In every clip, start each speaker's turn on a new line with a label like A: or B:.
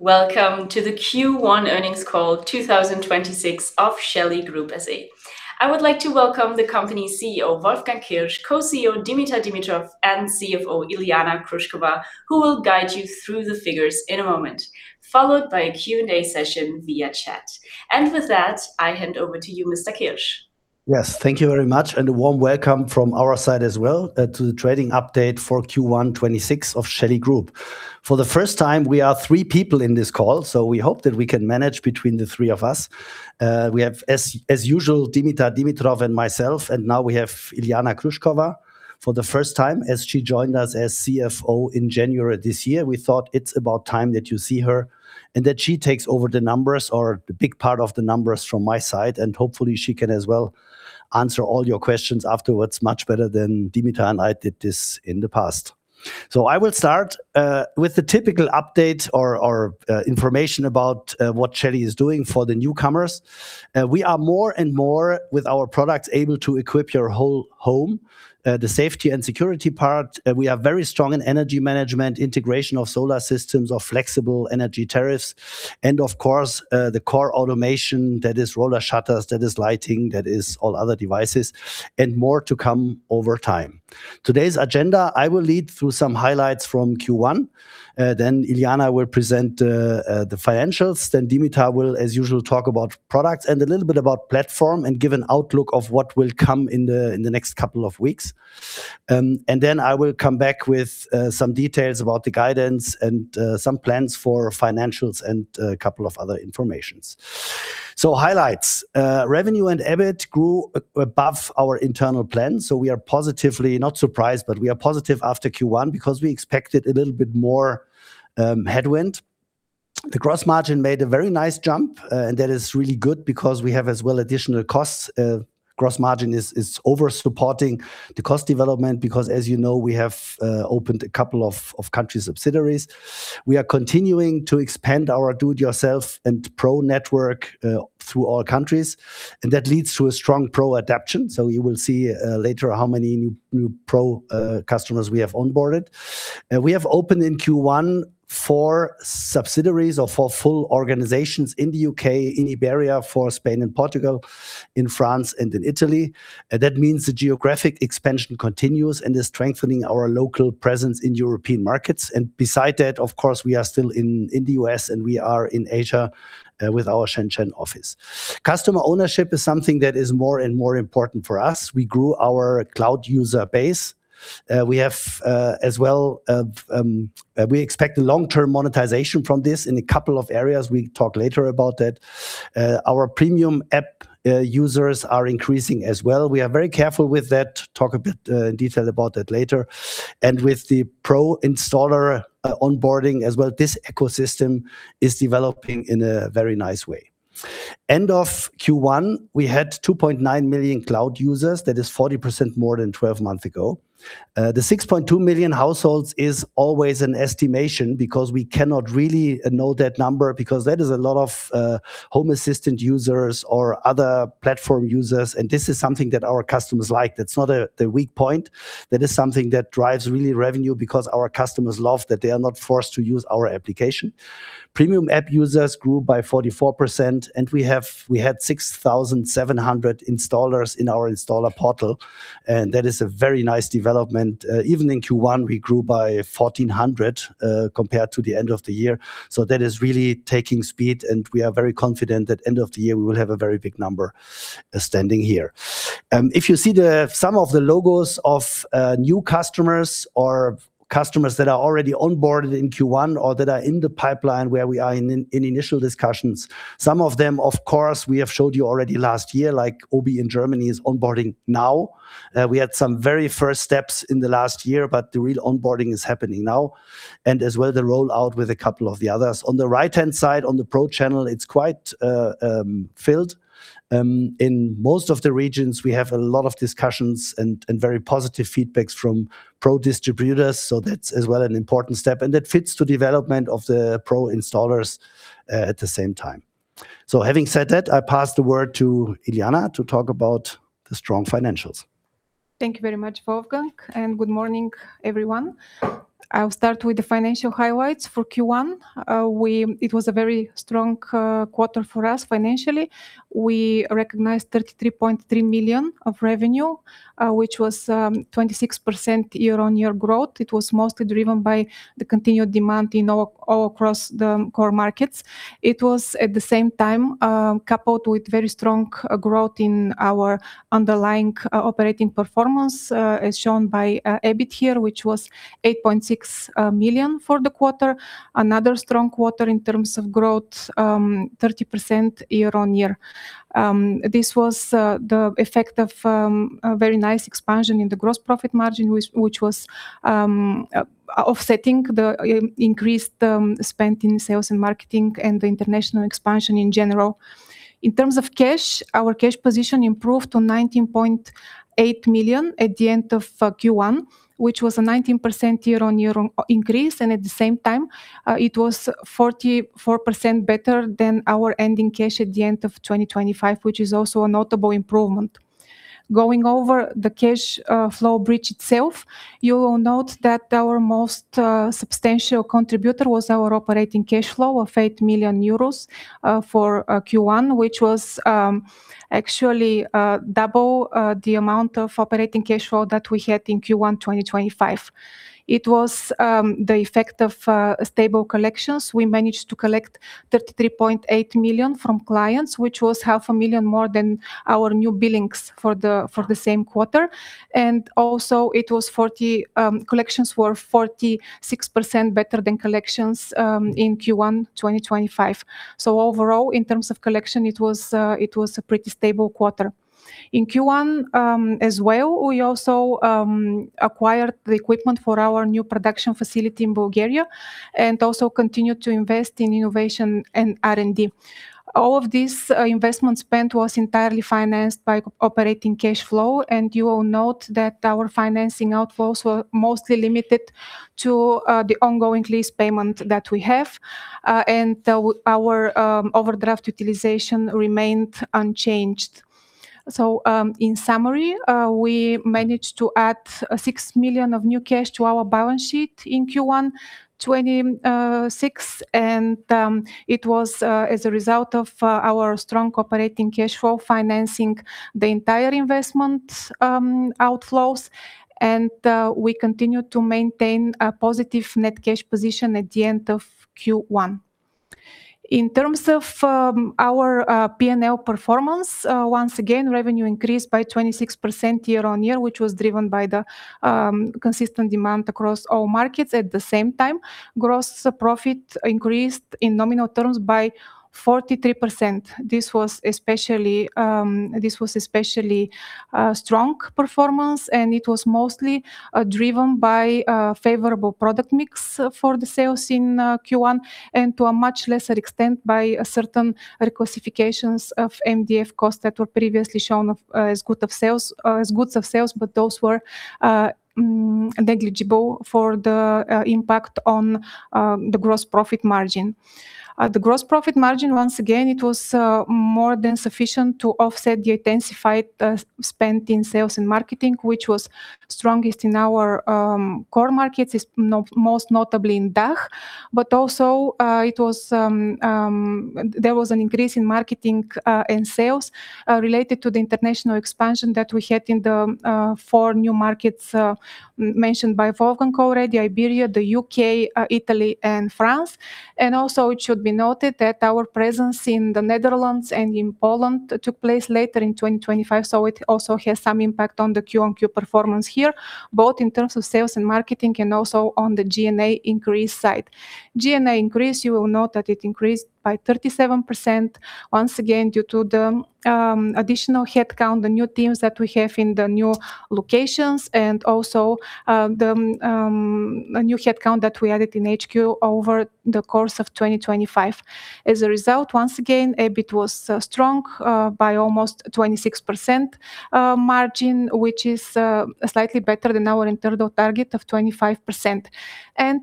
A: Welcome to the Q1 earnings call 2026 of Shelly Group SE. I would like to welcome the company CEO, Wolfgang Kirsch, co-CEO Dimitar Dimitrov, and CFO Iliyana Krushkova, who will guide you through the figures in a moment, followed by a Q&A session via chat. With that, I hand over to you, Mr. Kirsch.
B: Yes. Thank you very much, and a warm welcome from our side as well, to the trading update for Q1 2026 of Shelly Group. For the first time, we are three people in this call, so we hope that we can manage between the three of us. We have, as usual, Dimitar Dimitrov and myself, and now we have Iliyana Krushkova for the first time, as she joined us as CFO in January this year. We thought it's about time that you see her, and that she takes over the numbers or the big part of the numbers from my side, and hopefully she can as well answer all your questions afterwards much better than Dimitar and I did this in the past. I will start with the typical update or information about what Shelly is doing for the newcomers. We are more and more with our products able to equip your whole home. The safety and security part, we are very strong in energy management, integration of solar systems of flexible energy tariffs, and of course, the core automation, that is roller shutters, that is lighting, that is all other devices, and more to come over time. Today's agenda, I will lead through some highlights from Q1, then Iliyana will present the financials, then Dimitar will, as usual, talk about products and a little bit about platform and give an outlook of what will come in the next couple of weeks. Then I will come back with some details about the guidance and some plans for financials and a couple of other information. Highlights. Revenue and EBIT grew above our internal plan, we are positively not surprised, we are positive after Q1 because we expected a little bit more headwind. The gross margin made a very nice jump, that is really good because we have as well additional costs. Gross margin is over-supporting the cost development because, as you know, we have opened a couple of country subsidiaries. We are continuing to expand our do-it-yourself and Pro network through all countries, that leads to a strong Pro adaption. You will see later how many new Pro customers we have onboarded. We have opened in Q1 four subsidiaries or four full organizations in the U.K., in Iberia for Spain and Portugal, in France and in Italy. That means the geographic expansion continues and is strengthening our local presence in European markets. Beside that, of course, we are still in the U.S. and we are in Asia with our Shenzhen office. Customer ownership is something that is more and more important for us. We grew our cloud user base. We have as well, we expect long-term monetization from this in a couple of areas. We talk later about that. Our premium app users are increasing as well. We are very careful with that. Talk a bit in detail about that later. With the Pro installer onboarding as well, this ecosystem is developing in a very nice way. End of Q1, we had 2.9 million cloud users. That is 40% more than 12 month ago. The 6.2 million households is always an estimation because we cannot really know that number because that is a lot of Home Assistant users or other platform users. This is something that our customers like. That's not the weak point. That is something that drives really revenue because our customers love that they are not forced to use our application. Premium app users grew by 44%. We had 6,700 installers in our installer portal, and that is a very nice development. Even in Q1, we grew by 1,400 compared to the end of the year. That is really taking speed, and we are very confident that end of the year we will have a very big number standing here. If you see the, some of the logos of new customers or customers that are already onboarded in Q1 or that are in the pipeline where we are in initial discussions, some of them, of course, we have showed you already last year, like OBI in Germany is onboarding now. We had some very first steps in the last year, but the real onboarding is happening now, and as well the rollout with a couple of the others. On the right-hand side, on the Pro channel, it's quite filled. In most of the regions we have a lot of discussions and very positive feedbacks from Pro distributors, so that's as well an important step, and that fits to development of the Pro installers at the same time. Having said that, I pass the word to Iliyana to talk about the strong financials.
C: Thank you very much, Wolfgang, and good morning, everyone. I'll start with the financial highlights for Q1. It was a very strong quarter for us financially. We recognized 33.3 million of revenue, which was 26% year-on-year growth. It was mostly driven by the continued demand in all across the core markets. It was, at the same time, coupled with very strong growth in our underlying operating performance, as shown by EBIT here, which was 8.6 million for the quarter. Another strong quarter in terms of growth, 30% year-on-year. This was the effect of a very nice expansion in the gross profit margin, which was offsetting the increased spend in sales and marketing and the international expansion in general. In terms of cash, our cash position improved to 19.8 million at the end of Q1, which was a 19% year-on-year increase, and at the same time, it was 44% better than our ending cash at the end of 2025, which is also a notable improvement. Going over the cash flow bridge itself, you will note that our most substantial contributor was our operating cash flow of 8 million euros for Q1, which was actually double the amount of operating cash flow that we had in Q1, 2025. It was the effect of stable collections. We managed to collect 33.8 million from clients, which was 500,000 more than our new billings for the same quarter. Also, collections were 46% better than collections in Q1 2025. Overall, in terms of collection, it was a pretty stable quarter. In Q1 as well, we also acquired the equipment for our new production facility in Bulgaria, and also continued to invest in innovation and R&D. All of this investment spend was entirely financed by operating cash flow, and you will note that our financing outflows were mostly limited to the ongoing lease payment that we have. Our overdraft utilization remained unchanged. In summary, we managed to add 6 million of new cash to our balance sheet in Q1 2026. It was as a result of our strong operating cash flow financing the entire investment outflows. We continue to maintain a positive net cash position at the end of Q1. In terms of our P&L performance, once again, revenue increased by 26% year-on-year, which was driven by the consistent demand across all markets. At the same time, gross profit increased in nominal terms by 43%. This was especially strong performance, and it was mostly driven by favorable product mix for the sales in Q1, and to a much lesser extent by a certain reclassifications of MDF costs that were previously shown as goods of sales, but those were negligible for the impact on the gross profit margin. The gross profit margin, once again, it was more than sufficient to offset the intensified spend in sales and marketing, which was strongest in our core markets, most notably in DACH. There was an increase in marketing and sales related to the international expansion that we had in the four new markets mentioned by Wolfgang Kirsch already, Iberia, the U.K., Italy, and France. It should be noted that our presence in the Netherlands and in Poland took place later in 2025, so it also has some impact on the QoQ performance here, both in terms of sales and marketing, and also on the G&A increase side. G&A increase, you will note that it increased by 37%, once again due to the additional headcount, the new teams that we have in the new locations, and also the new headcount that we added in HQ over the course of 2025. As a result, once again, EBIT was strong by almost 26% margin, which is slightly better than our internal target of 25%.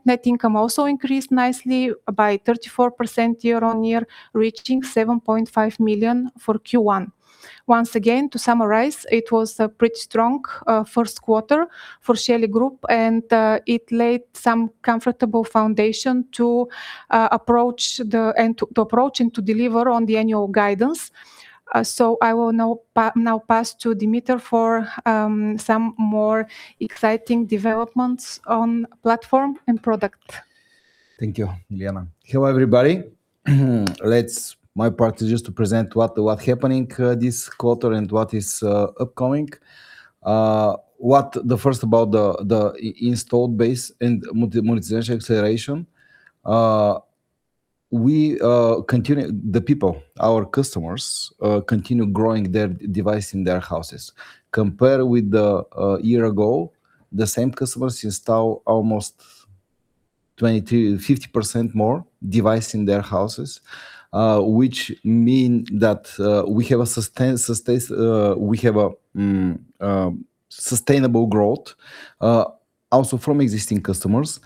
C: Net income also increased nicely by 34% year-on-year, reaching 7.5 million for Q1. Once again, to summarize, it was a pretty strong first quarter for Shelly Group, and it laid some comfortable foundation to approach and to deliver on the annual guidance. I will now pass to Dimitar for some more exciting developments on platform and product.
D: Thank you, Iliyana. Hello, everybody. My part is just to present what is happening this quarter and what is upcoming. We continue. The people, our customers, continue growing their device in their houses. Compare with the year ago, the same customers install almost 20%-50% more device in their houses, which means that we have a sustainable growth also from existing customers.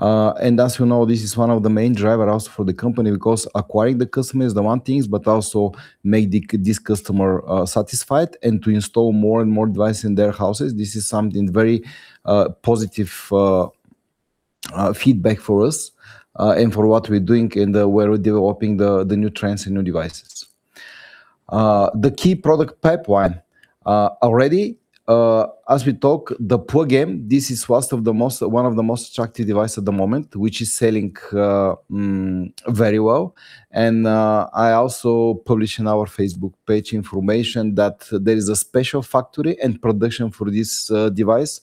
D: As you know, this is one of the main drivers also for the company because acquiring the customer is one thing, but also make this customer satisfied and to install more and more device in their houses. This is something very positive feedback for us and for what we're doing and where we're developing the new trends and new devices. The key product pipeline. Already, as we talk the Plug M, this is first of the most, one of the most attractive device at the moment, which is selling very well. I also publish in our Facebook page information that there is a special factory and production for this device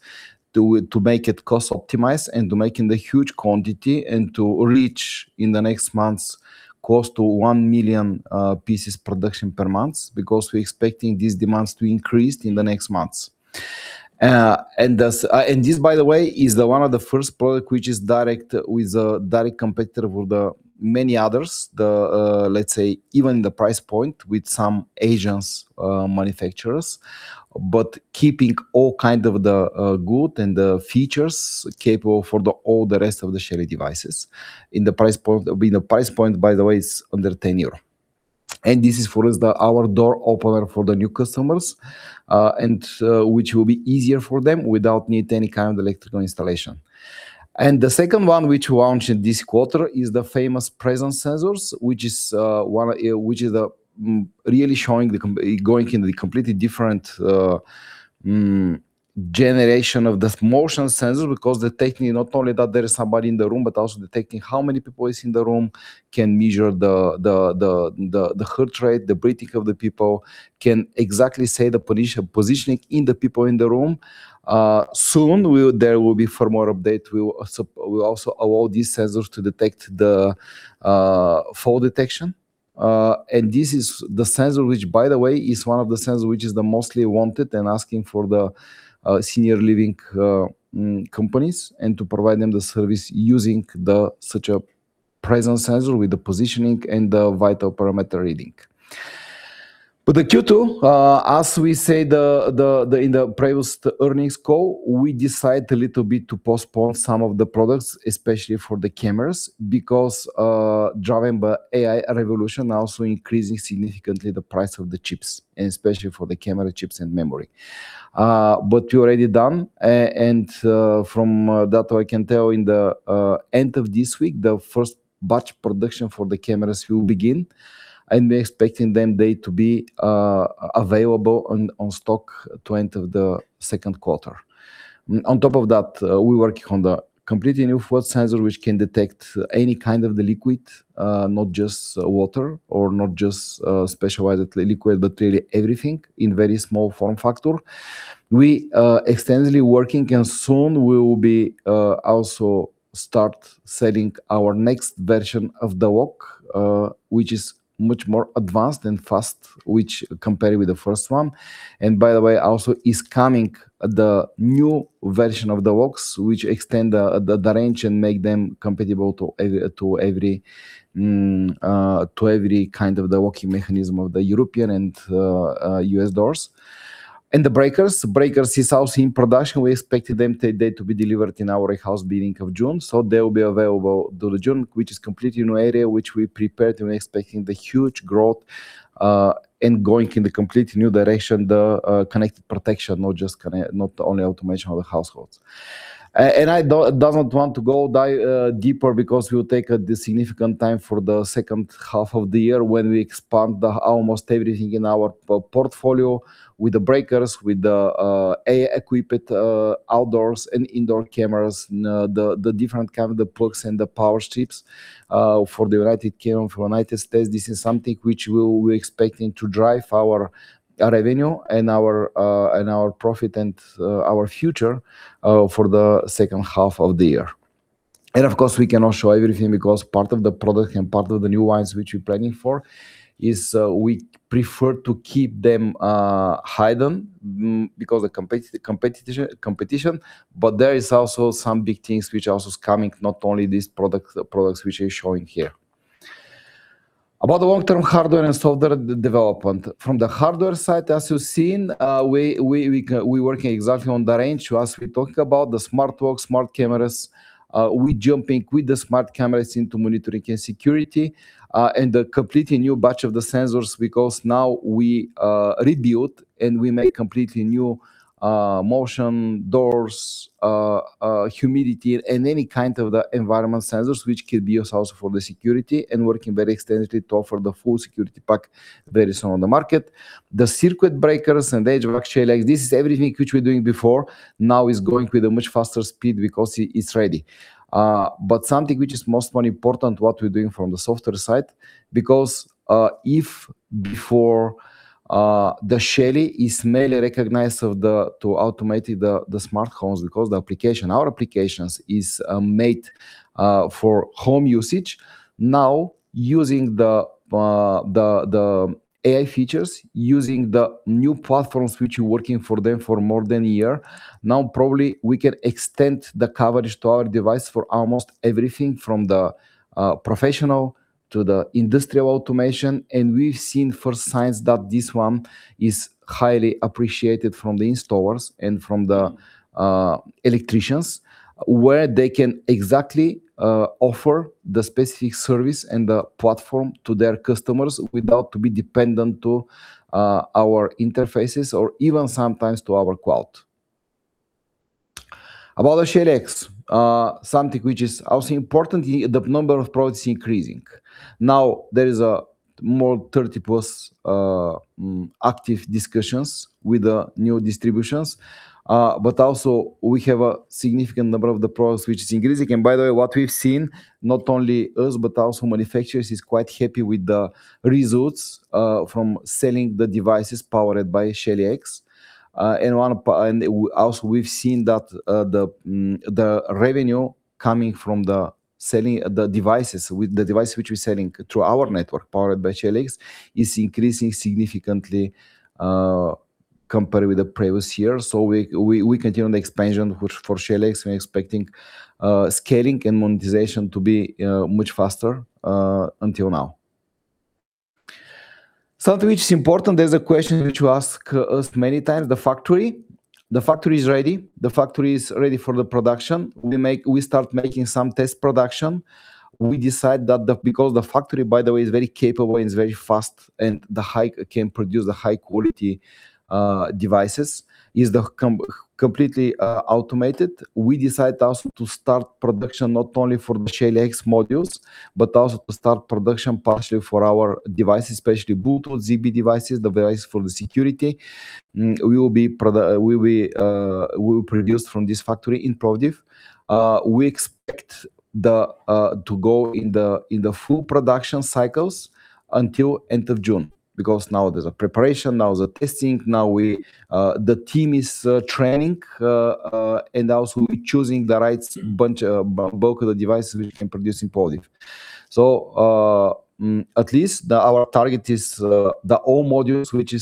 D: to make it cost optimized and to making the huge quantity and to reach in the next months close to 1 million pieces production per month because we're expecting these demands to increase in the next months. This, by the way, is the one of the first product which is direct with direct competitor with the many others, the, let's say even the price point with some Asians manufacturers, but keeping all kind of the good and the features capable for the all the rest of the Shelly devices. In the price point, with the price point, by the way, is under 10 euro. This is for us our door opener for the new customers, which will be easier for them without need any kind of electrical installation. The second one which we launch in this quarter is the famous presence sensors, which is one of which is really showing the going in the completely different generation of the motion sensor because they're taking not only that there is somebody in the room, but also detecting how many people is in the room, can measure the heart rate, the breathing of the people, can exactly say the positioning in the people in the room. Soon there will be for more update, we'll also allow these sensors to detect the fall detection. This is the sensor which by the way is one of the sensor which is the mostly wanted and asking for the senior living companies and to provide them the service using the such a presence sensor with the positioning and the vital parameter reading. The Q2, as we say in the previous earnings call, we decide a little bit to postpone some of the products, especially for the cameras because driven by AI revolution also increasing significantly the price of the chips, and especially for the camera chips and memory. We already done, and from that I can tell in the end of this week, the first batch production for the cameras will begin, and we're expecting them they to be available on stock to end of the Q2. On top of that, we working on the completely new flood sensor which can detect any kind of the liquid, not just water or not just specialized liquid, but really everything in very small form factor. We are extensively working and soon we will be also start selling our next version of the lock, which is much more advanced and fast, which compared with the first one. By the way, also is coming the new version of the locks which extend the range and make them compatible to every kind of the locking mechanism of the European and U.S. doors. The breakers is also in production. We expected them to be delivered in our warehouse beginning of June, so they will be available during June, which is completely new area which we prepared and we're expecting the huge growth in going in the completely new direction, the connected protection, not just not only automation of the households. I don't, does not want to go deeper because we'll take significant time for the H2 of the year when we expand almost everything in our portfolio with the breakers, with the AI-equipped outdoors and indoor cameras, the different kind of the plugs and the power strips for the United Kingdom, for United States. This is something which we will be expecting to drive our revenue and our profit and our future for the H2 of the year. Of course, we cannot show everything because part of the product and part of the new lines which we planning for is we prefer to keep them hidden because the competition, but there is also some big things which also is coming, not only these products which we are showing here. About the long-term hardware and software development. From the hardware side, as you've seen, we working exactly on the range as we talked about, the smart locks, smart cameras. We jumping with the smart cameras into monitoring and security, and the completely new batch of the sensors because now we rebuild and we make completely new motion, doors, humidity, and any kind of the environment sensors which could be used also for the security and working very extensively to offer the full security pack very soon on the market. The circuit breakers and the edge of actually like this is everything which we're doing before, now is going with a much faster speed because it's ready. Something which is most more important what we're doing from the software side, because if before, the Shelly is mainly recognized of the, to automate the smart homes because the application, our applications is made for home usage. Now. Using the AI features, using the new platforms which we working for them for more than a year, now probably we can extend the coverage to our device for almost everything from the professional to the industrial automation. We've seen first signs that this one is highly appreciated from the installers and from the electricians, where they can exactly offer the specific service and the platform to their customers without to be dependent to our interfaces or even sometimes to our cloud. About the Shelly X, something which is also important, the number of products increasing. There is a more 30+ active discussions with the new distributions, but also we have a significant number of the products which is increasing. By the way, what we've seen, not only us but also manufacturers is quite happy with the results from selling the devices powered by Shelly X. Also we've seen that the revenue coming from the selling the devices with the device which we're selling through our network powered by Shelly X is increasing significantly compared with the previous year. We continue the expansion which for Shelly X we're expecting scaling and monetization to be much faster until now. Something which is important, there's a question which you ask us many times, the factory. The factory is ready. The factory is ready for the production. We start making some test production. We decide the factory, by the way, is very capable and it's very fast, and the high can produce a high quality devices, is completely automated. We decide also to start production not only for the Shelly X modules, but also to start production partially for our devices, especially Bluetooth, Zigbee devices for the security. We will produce from this factory in Plovdiv. We expect to go in the full production cycles until end of June, because now there's a preparation, now the testing, now we the team is training. Also we're choosing the right bunch, both of the devices we can produce in Plovdiv. Our target is all modules which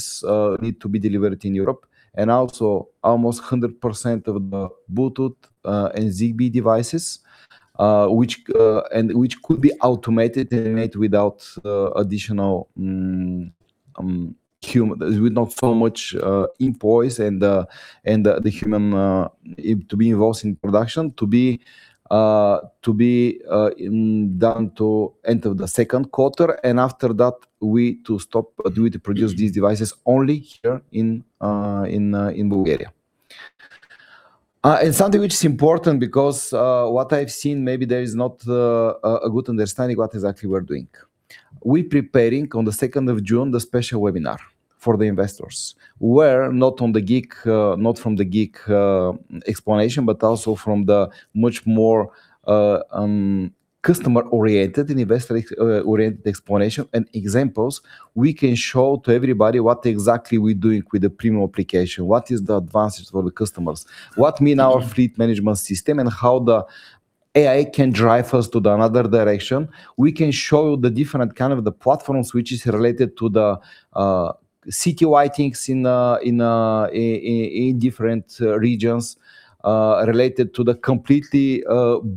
D: need to be delivered in Europe, and also almost 100% of the Bluetooth and Zigbee devices which could be automated and made without additional human with not so much employees and the human to be involved in production to be done to end of the Q2. After that, we to produce these devices only here in Bulgaria. Something which is important because what I've seen, maybe there is not a good understanding what exactly we are doing. We preparing on the 2nd of June, the special webinar for the investors, where not on the geek, not from the geek explanation, but also from the much more customer-oriented investor-oriented explanation and examples, we can show to everybody what exactly we doing with the premium application, what is the advances for the customers, what mean our fleet management system, and how the AI can drive us to the another direction. We can show the different kind of the platforms which is related to the citywide things in different regions related to the completely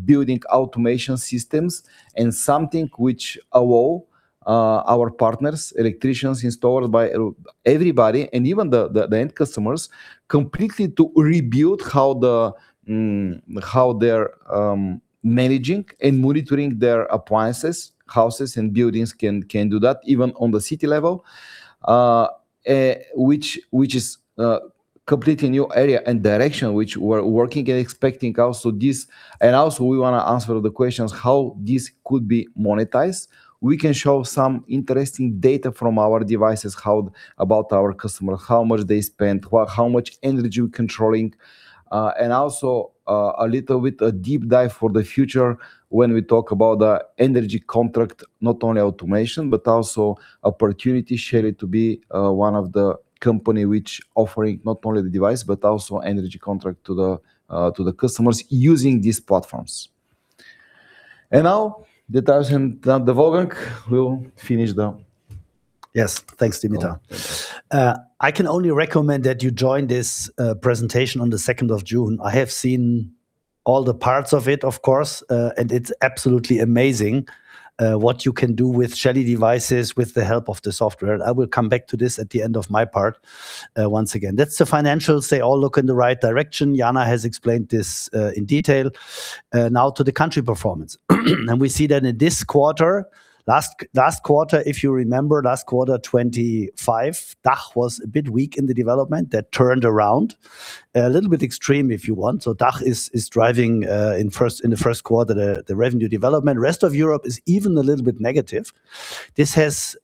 D: building automation systems and something which allow our partners, electricians installed by everybody, and even the end customers completely to rebuild how they're managing and monitoring their appliances, houses, and buildings can do that even on the city level, which is a completely new area and direction which we're working and expecting also this. Also we wanna answer the questions how this could be monetized. We can show some interesting data from our devices, how about our customer, how much they spend, what, how much energy we're controlling, and also a little bit a deep dive for the future when we talk about the energy contract, not only automation, but also opportunity Shelly to be one of the company which offering not only the device, but also energy contract to the customers using these platforms. Now [inaudible] Wolfgang will finish.
B: Yes. Thanks, Dimitar. I can only recommend that you join this presentation on the 2nd of June. I have seen all the parts of it, of course, and it's absolutely amazing what you can do with Shelly devices with the help of the software. I will come back to this at the end of my part once again. That's the financials. They all look in the right direction. Jana has explained this in detail. Now to the country performance. We see that in this quarter, last quarter, if you remember last quarter 2025, DACH was a bit weak in the development. That turned around, a little bit extreme if you want. DACH is driving in first, in the Q1 the revenue development. Rest of Europe is even a little bit negative. This has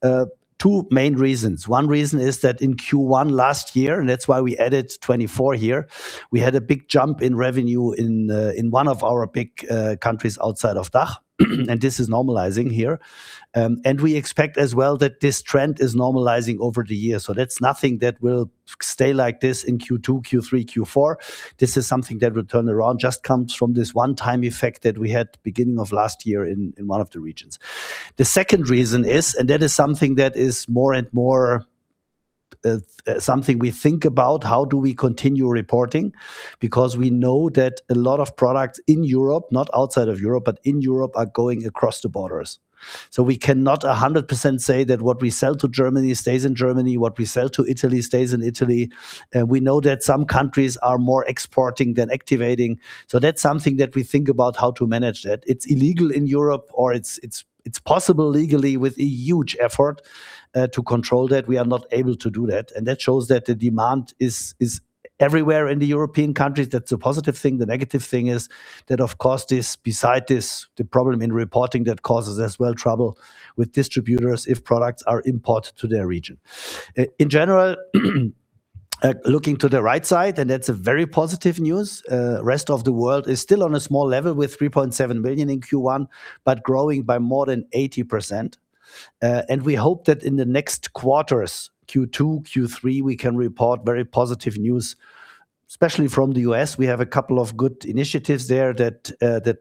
B: two main reasons. One reason is that in Q1 last year, and that's why we added 2024 here, we had a big jump in revenue in one of our big countries outside of DACH, and this is normalizing here. We expect as well that this trend is normalizing over the year. That's nothing that will stay like this in Q2, Q3, Q4. This is something that will turn around, just comes from this one-time effect that we had beginning of last year in one of the regions. The second reason is, and that is something that is more and more something we think about, how do we continue reporting? We know that a lot of products in Europe, not outside of Europe, but in Europe, are going across the borders. We cannot 100% say that what we sell to Germany stays in Germany, what we sell to Italy stays in Italy. We know that some countries are more exporting than activating, so that's something that we think about how to manage that. It's illegal in Europe, or it's possible legally with a huge effort to control that. We are not able to do that, and that shows that the demand is everywhere in the European countries. That's a positive thing. The negative thing is that, of course, this beside this, the problem in reporting that causes us, well, trouble with distributors if products are imported to their region. In general, looking to the right side, and that's a very positive news, rest of the world is still on a small level with 3.7 million in Q1, but growing by more than 80%. We hope that in the next quarters, Q2, Q3, we can report very positive news. Especially from the U.S., we have a couple of good initiatives there that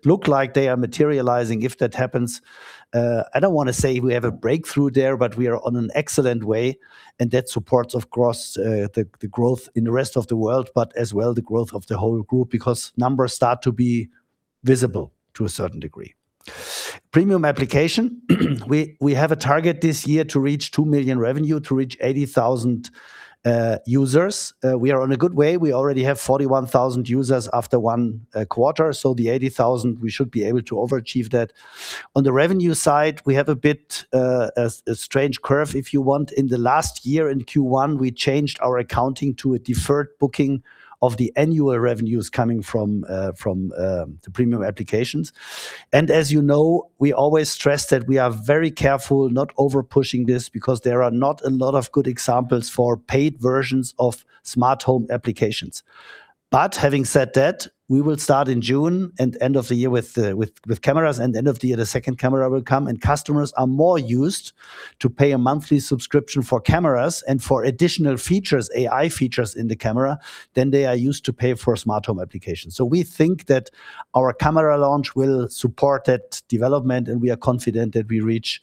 B: look like they are materializing. If that happens, I don't wanna say we have a breakthrough there, but we are on an excellent way, and that supports, of course, the growth in the rest of the world, but as well, the growth of the whole Shelly Group because numbers start to be visible to a certain degree. Premium application. We have a target this year to reach 2 million revenue, to reach 80,000 users. We are on a good way. We already have 41,000 users after one quarter. The 80,000, we should be able to overachieve that. On the revenue side, we have a bit a strange curve, if you want. In the last year in Q1, we changed our accounting to a deferred booking of the annual revenues coming from from the premium applications. As you know, we always stress that we are very careful not over-pushing this because there are not a lot of good examples for paid versions of smart home applications. Having said that, we will start in June and end of the year with cameras, and end of the year, the second camera will come, and customers are more used to pay a monthly subscription for cameras and for additional features, AI features in the camera, than they are used to pay for a smart home application. We think that our camera launch will support that development, and we are confident that we reach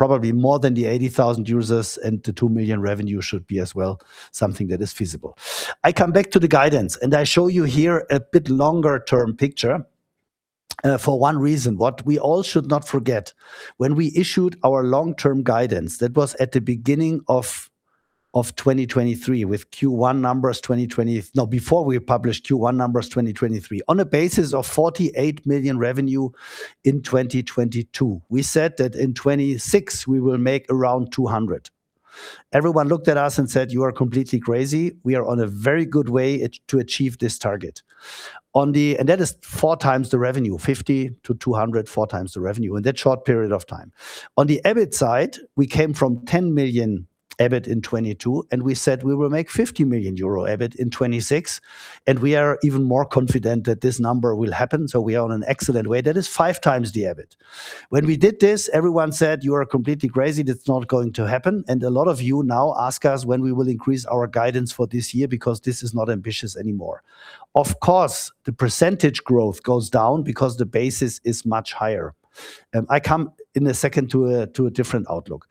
B: probably more than the 80,000 users, and the 2 million revenue should be as well something that is feasible. I come back to the guidance, I show you here a bit longer-term picture for one reason. What we all should not forget, when we issued our long-term guidance, that was at the beginning of 2023 with Q1 numbers before we published Q1 numbers 2023. On a basis of 48 million revenue in 2022, we said that in 2026, we will make around 200 million. Everyone looked at us and said, "You are completely crazy." We are on a very good way to achieve this target. That is 4x the revenue, 50 million-200 million, 4x the revenue in that short period of time. On the EBIT side, we came from 10 million EBIT in 2022, and we said we will make 50 million euro EBIT in 2026, and we are even more confident that this number will happen, so we are on an excellent way. That is 5x the EBIT. When we did this, everyone said, "You are completely crazy. That's not going to happen." A lot of you now ask us when we will increase our guidance for this year because this is not ambitious anymore. Of course, the % growth goes down because the basis is much higher. I come in a second to a different outlook.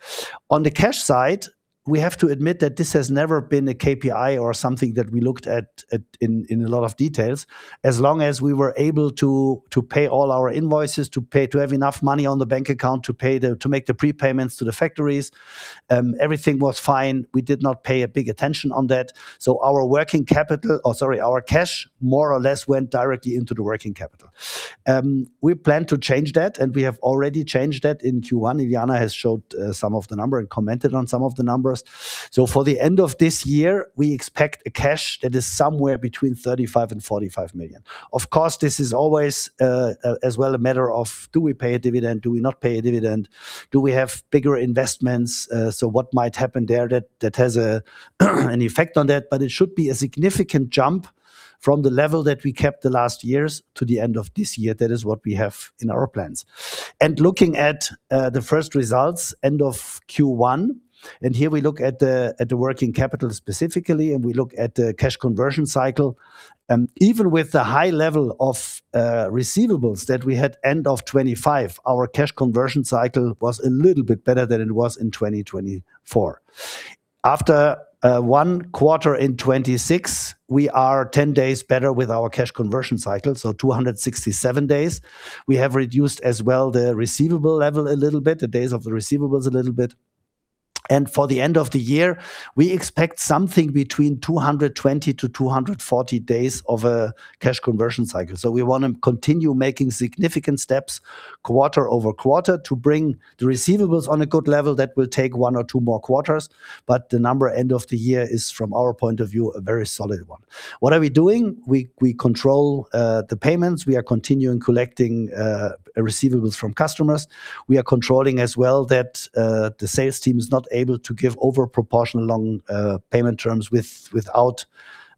B: On the cash side, we have to admit that this has never been a KPI or something that we looked at in a lot of details. As long as we were able to pay all our invoices, to have enough money on the bank account to make the prepayments to the factories, everything was fine. We did not pay a big attention on that. Our working capital, or sorry, our cash more or less went directly into the working capital. We plan to change that, and we have already changed that in Q1. Iliyana has showed some of the number and commented on some of the numbers. For the end of this year, we expect a cash that is somewhere between 35 million and 45 million. Of course, this is always as well a matter of do we pay a dividend? Do we not pay a dividend? Do we have bigger investments? What might happen there that has an effect on that. It should be a significant jump from the level that we kept the last years to the end of this year. That is what we have in our plans. Looking at the first results, end of Q1, and here we look at the working capital specifically, and we look at the cash conversion cycle. Even with the high level of receivables that we had end of 2025, our cash conversion cycle was a little bit better than it was in 2024. After one quarter in 2026, we are 10 days better with our cash conversion cycle, so 267 days. We have reduced as well the receivable level a little bit, the days of the receivables a little bit. For the end of the year, we expect something between 220-240 days of a cash conversion cycle. We wanna continue making significant steps quarter-over-quarter to bring the receivables on a good level. That will take one or two more quarters. The number end of the year is, from our point of view, a very solid one. What are we doing? We control the payments. We are continuing collecting receivables from customers. We are controlling as well that the sales team is not able to give over-proportional long payment terms without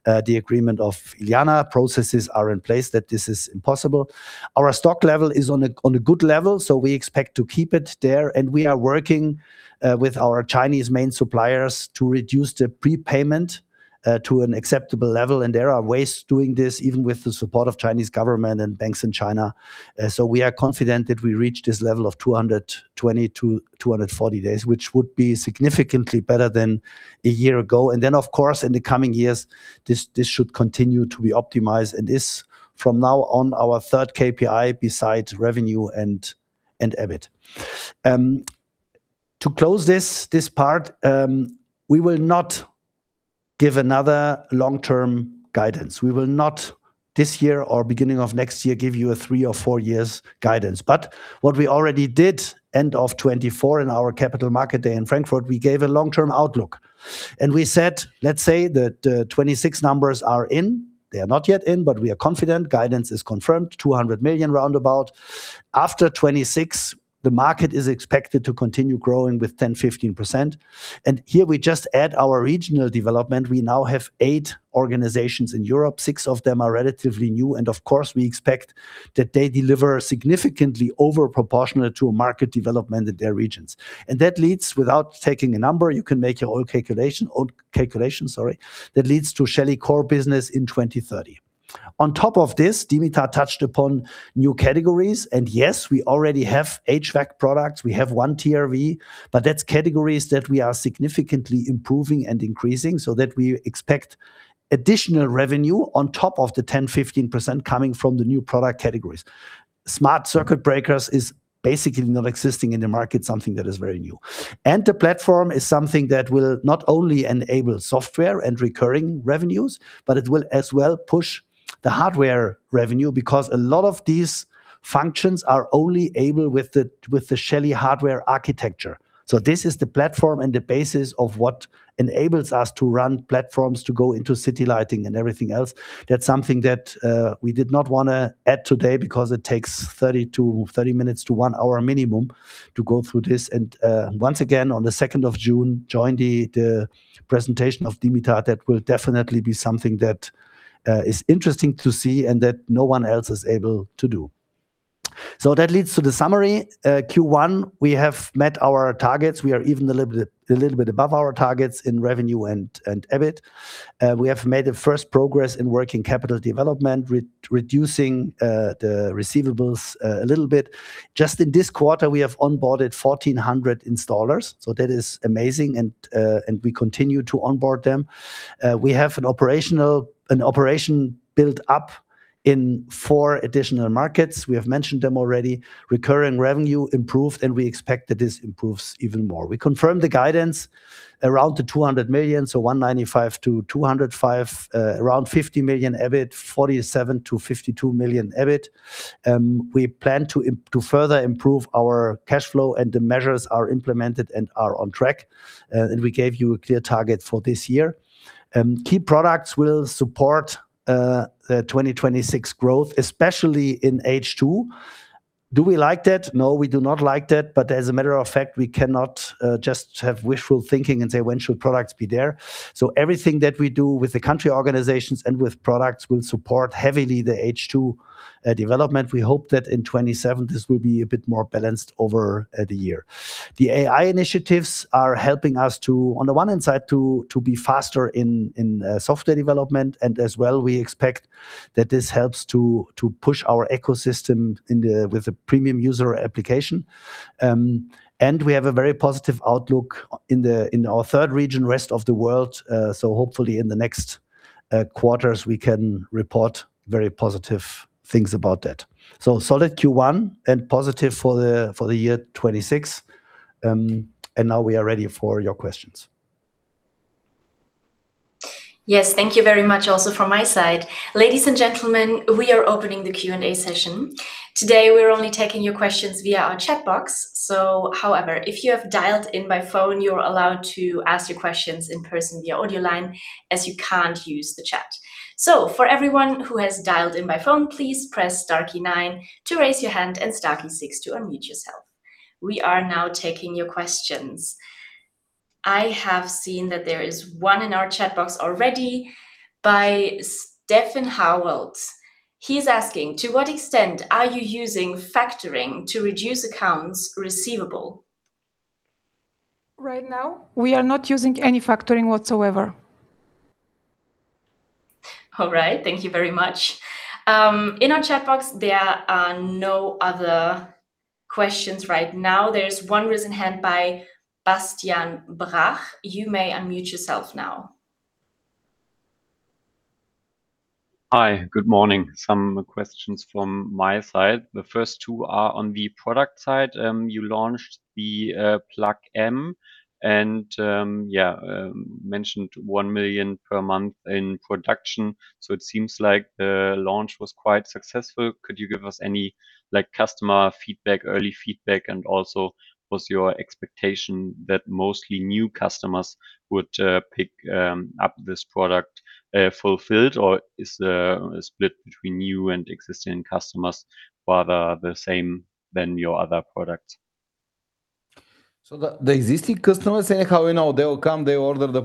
B: the agreement of Iliyana Krushkova. Processes are in place that this is impossible. Our stock level is on a good level, so we expect to keep it there, and we are working with our Chinese main suppliers to reduce the prepayment to an acceptable level, and there are ways doing this, even with the support of Chinese government and banks in China. We are confident that we reach this level of 220-240 days, which would be significantly better than a year ago. Of course, in the coming years, this should continue to be optimized and is from now on our third KPI besides revenue and EBIT. To close this part, we will not give another long-term guidance. We will not this year or beginning of next year give you a three or four years guidance. What we already did end of 2024 in our Capital Market Day in Frankfurt, we gave a long-term outlook. We said, let's say that 2026 numbers are in. They are not yet in, but we are confident. Guidance is confirmed, 200 million roundabout. After 2026, the market is expected to continue growing with 10%-15%. Here we just add our regional development. We now have eight organizations in Europe. Six of them are relatively new, and of course, we expect that they deliver significantly over proportional to a market development in their regions. That leads, without taking a number, you can make your own calculation, sorry, that leads to Shelly core business in 2030. On top of this, Dimitar touched upon new categories. Yes, we already have HVAC products. We have one TRV, but that's categories that we are significantly improving and increasing so that we expect additional revenue on top of the 10%-15% coming from the new product categories. Smart circuit breakers is basically not existing in the market, something that is very new. The platform is something that will not only enable software and recurring revenues, but it will as well push the hardware revenue, because a lot of these functions are only able with the Shelly hardware architecture. This is the platform and the basis of what enables us to run platforms to go into city lighting and everything else. That's something that we did not want to add today because it takes 30 minutes to one hour minimum to go through this. Once again, on the 2nd of June, join the presentation of Dimitar. That will definitely be something that is interesting to see and that no one else is able to do. That leads to the summary. Q1, we have met our targets. We are even a little bit above our targets in revenue and EBIT. We have made a first progress in working capital development, reducing the receivables a little bit. Just in this quarter, we have onboarded 1,400 installers, so that is amazing, and we continue to onboard them. We have an operation built up in four additional markets. We have mentioned them already. Recurring revenue improved, and we expect that this improves even more. We confirm the guidance around 200 million, so 195 million-205 million, around 50 million EBIT, 47 million-52 million EBIT. We plan to further improve our cash flow, and the measures are implemented and are on track, and we gave you a clear target for this year. Key products will support the 2026 growth, especially in H2. Do we like that? No, we do not like that. As a matter of fact, we cannot just have wishful thinking and say, "When should products be there?" Everything that we do with the country organizations and with products will support heavily the H2 development. We hope that in 2027 this will be a bit more balanced over the year. The AI initiatives are helping us to, on the one hand side, to be faster in software development, as well we expect that this helps to push our ecosystem in the, with the premium user application. We have a very positive outlook in the, in our third region, rest of the world. Hopefully in the next quarters we can report very positive things about that. Solid Q1 and positive for the year 2026. Now we are ready for your questions.
A: Yes, thank you very much also from my side. Ladies and gentlemen, we are opening the Q&A session. Today, we're only taking your questions via our chat box, so however, if you have dialed in by phone, you're allowed to ask your questions in person via audio line, as you can't use the chat. For everyone who has dialed in by phone, please press star key nine to raise your hand and star key six to unmute yourself. We are now taking your questions. I have seen that there is one in our chat box already by Stefan Herold. He's asking, "To what extent are you using factoring to reduce accounts receivable?"
C: Right now, we are not using any factoring whatsoever.
A: All right, thank you very much. In our chat box, there are no other questions right now. There is one raised hand by Bastian [Brach]. You may unmute yourself now.
E: Hi, good morning. Some questions from my side. The first two are on the product side. You launched the Plug M and mentioned 1 million per month in production, it seems like the launch was quite successful. Could you give us any, like, customer feedback, early feedback? Also, was your expectation that mostly new customers would pick up this product fulfilled, or is the split between new and existing customers rather the same than your other products?
D: The, the existing customers, anyhow, you know, they will come, they order the,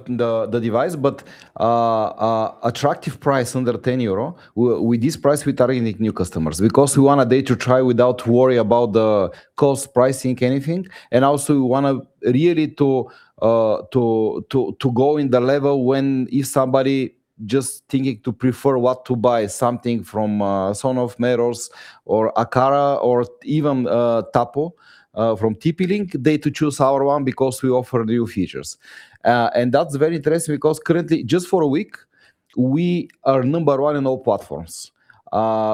D: the device, but an attractive price under 10 euro, with this price we target new customers, because we want a day to try without worry about the cost pricing anything. We wanna really to go in the level when if somebody just thinking to prefer what to buy something from SONOFF, Meross, or Aqara, or even Tapo from TP-Link, they to choose our one because we offer new features. That's very interesting because currently, just for one week, we are number one in all platforms.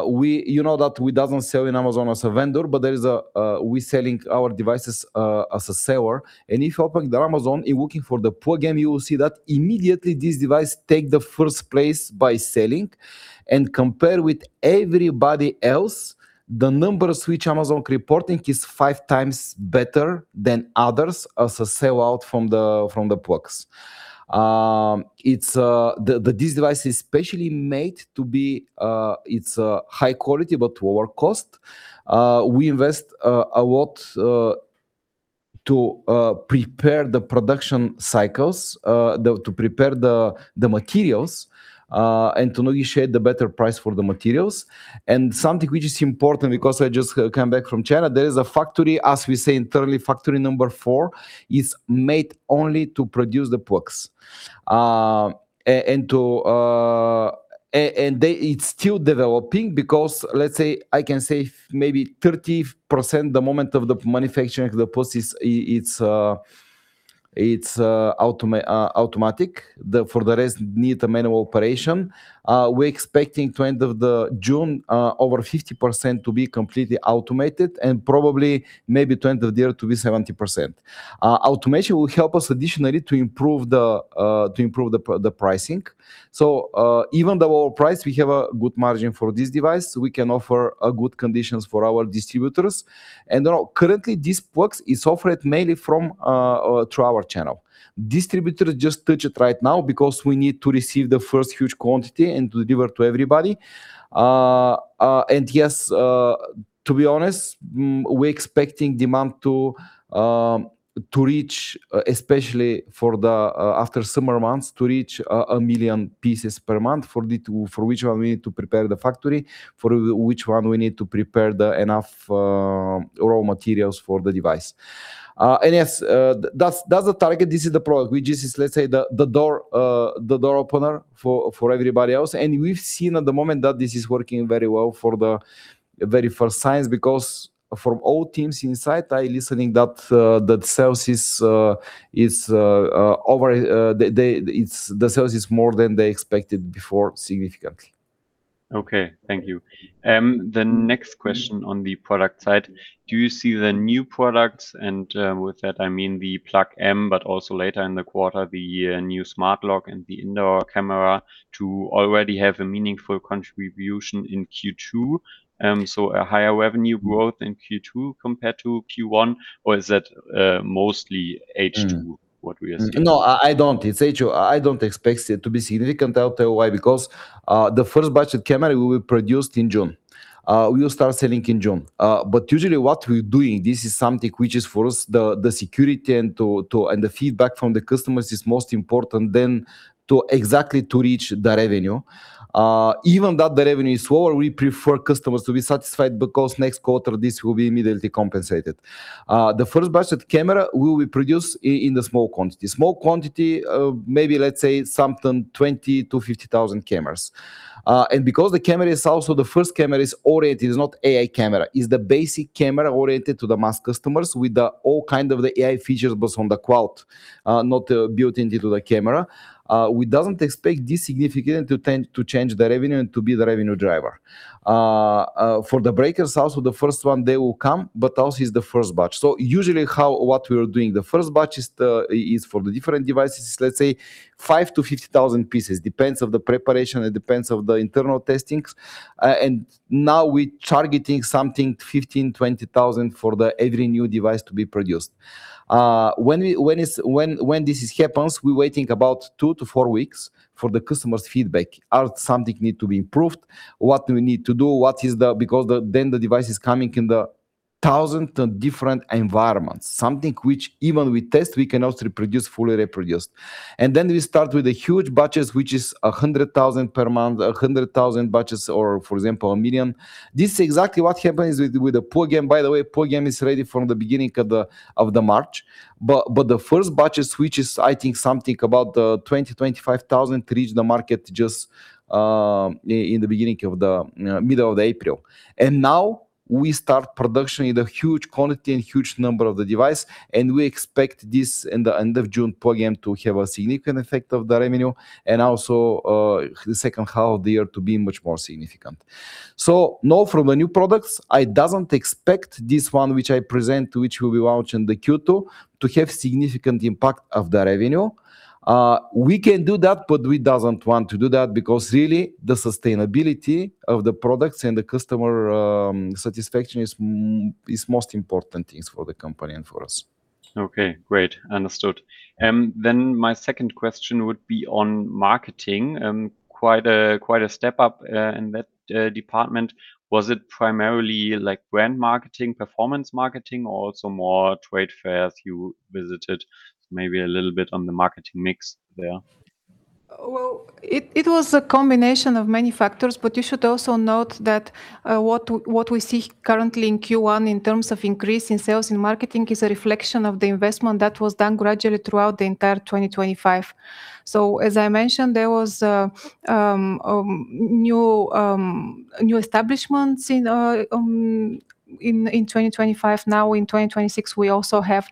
D: We, you know that we doesn't sell in Amazon as a vendor, but there is, we selling our devices as a seller. If you open the Amazon and looking for the Plug M, you will see that immediately this device take the first place by selling. Compare with everybody else, the number which Amazon reporting is 5x better than others as a sell-out from the Plugs. This device is specially made to be high quality but lower cost. We invest a lot to prepare the production cycles, to prepare the materials, and to negotiate the better price for the materials. Something which is important, because I just come back from China, there is a factory, as we say internally, factory number four is made only to produce the Plugs. And to, and they it's still developing because let's say I can say maybe 30% the moment of the manufacturing the process it's automatic. For the rest need the manual operation. We're expecting to end of the June, over 50% to be completely automated and probably maybe to end of the year to be 70%. Automation will help us additionally to improve the pricing. Even the lower price, we have a good margin for this device. We can offer good conditions for our distributors. Currently this works is offered mainly from through our channel. Distributors just touch it right now because we need to receive the first huge quantity and deliver to everybody. Yes, to be honest, we're expecting demand to reach, especially for the after summer months, to reach 1 million pieces per month for which one we need to prepare the factory, for which one we need to prepare the enough raw materials for the device. That's the target. This is the product which is, let's say the door, the door opener for everybody else. We've seen at the moment that this is working very well for the very first signs because from all teams inside I listening that sales is over, the sales is more than they expected before significantly.
E: Okay. Thank you. The next question on the product side. Do you see the new products, and with that I mean the Shelly Plug M, but also later in the quarter, the new Smart Lock and the indoor camera to already have a meaningful contribution in Q2? A higher revenue growth in Q2 compared to Q1? Is that mostly H2, what we are seeing?
D: No, I don't. It's H2. I don't expect it to be significant. I'll tell you why. The first batch of camera will be produced in June. We will start selling in June. Usually what we're doing, this is something which is for us the security and the feedback from the customers is most important than to exactly to reach the revenue. Even that the revenue is lower, we prefer customers to be satisfied because next quarter this will be immediately compensated. The first batch of camera will be produced in the small quantity. Small quantity of 20,000-50,000 cameras. Because the camera is also the first camera is oriented, is not AI camera, is the basic camera oriented to the mass customers with the all kind of the AI features based on the cloud, not built into the camera. We doesn't expect this significant to change, to change the revenue and to be the revenue driver. For the breakers also the first one they will come, but also is the first batch. Usually what we are doing, the first batch is the, is for the different devices, let's say 5,000-50,000 pieces. Depends of the preparation, it depends of the internal testings. Now we targeting something 15,000-20,000 for the every new device to be produced. When this happens, we're waiting about two to four weeks for the customers' feedback. Are something need to be improved? What do we need to do? What is the then the device is coming in the 1,000 different environments, something which even we test, we cannot reproduce, fully reproduce. Then we start with the huge batches, which is 100,000 per month, 100,000 batches or, for example, 1 million. This exactly what happens with the Plug M. By the way, Plug M is ready from the beginning of the March, but the first batches which is I think something about 20,000-25,000 reach the market just in the beginning of the middle of April. Now we start production in the huge quantity and huge number of the device, and we expect this in the end of June Shelly Plug M to have a significant effect of the revenue and also, the H2 of the year to be much more significant. No, from the new products, I don't expect this one which I present, which will be launched in the Q2, to have significant impact of the revenue. We can do that, but we don't want to do that because really the sustainability of the products and the customer satisfaction is most important things for the company and for us.
E: Okay. Great. Understood. My second question would be on marketing. Quite a step up in that department. Was it primarily like brand marketing, performance marketing, or also more trade fairs you visited? Maybe a little bit on the marketing mix there.
C: It was a combination of many factors, but you should also note that what we see currently in Q1 in terms of increase in sales and marketing is a reflection of the investment that was done gradually throughout the entire 2025. As I mentioned, there was new establishments in 2025. Now in 2026, we also have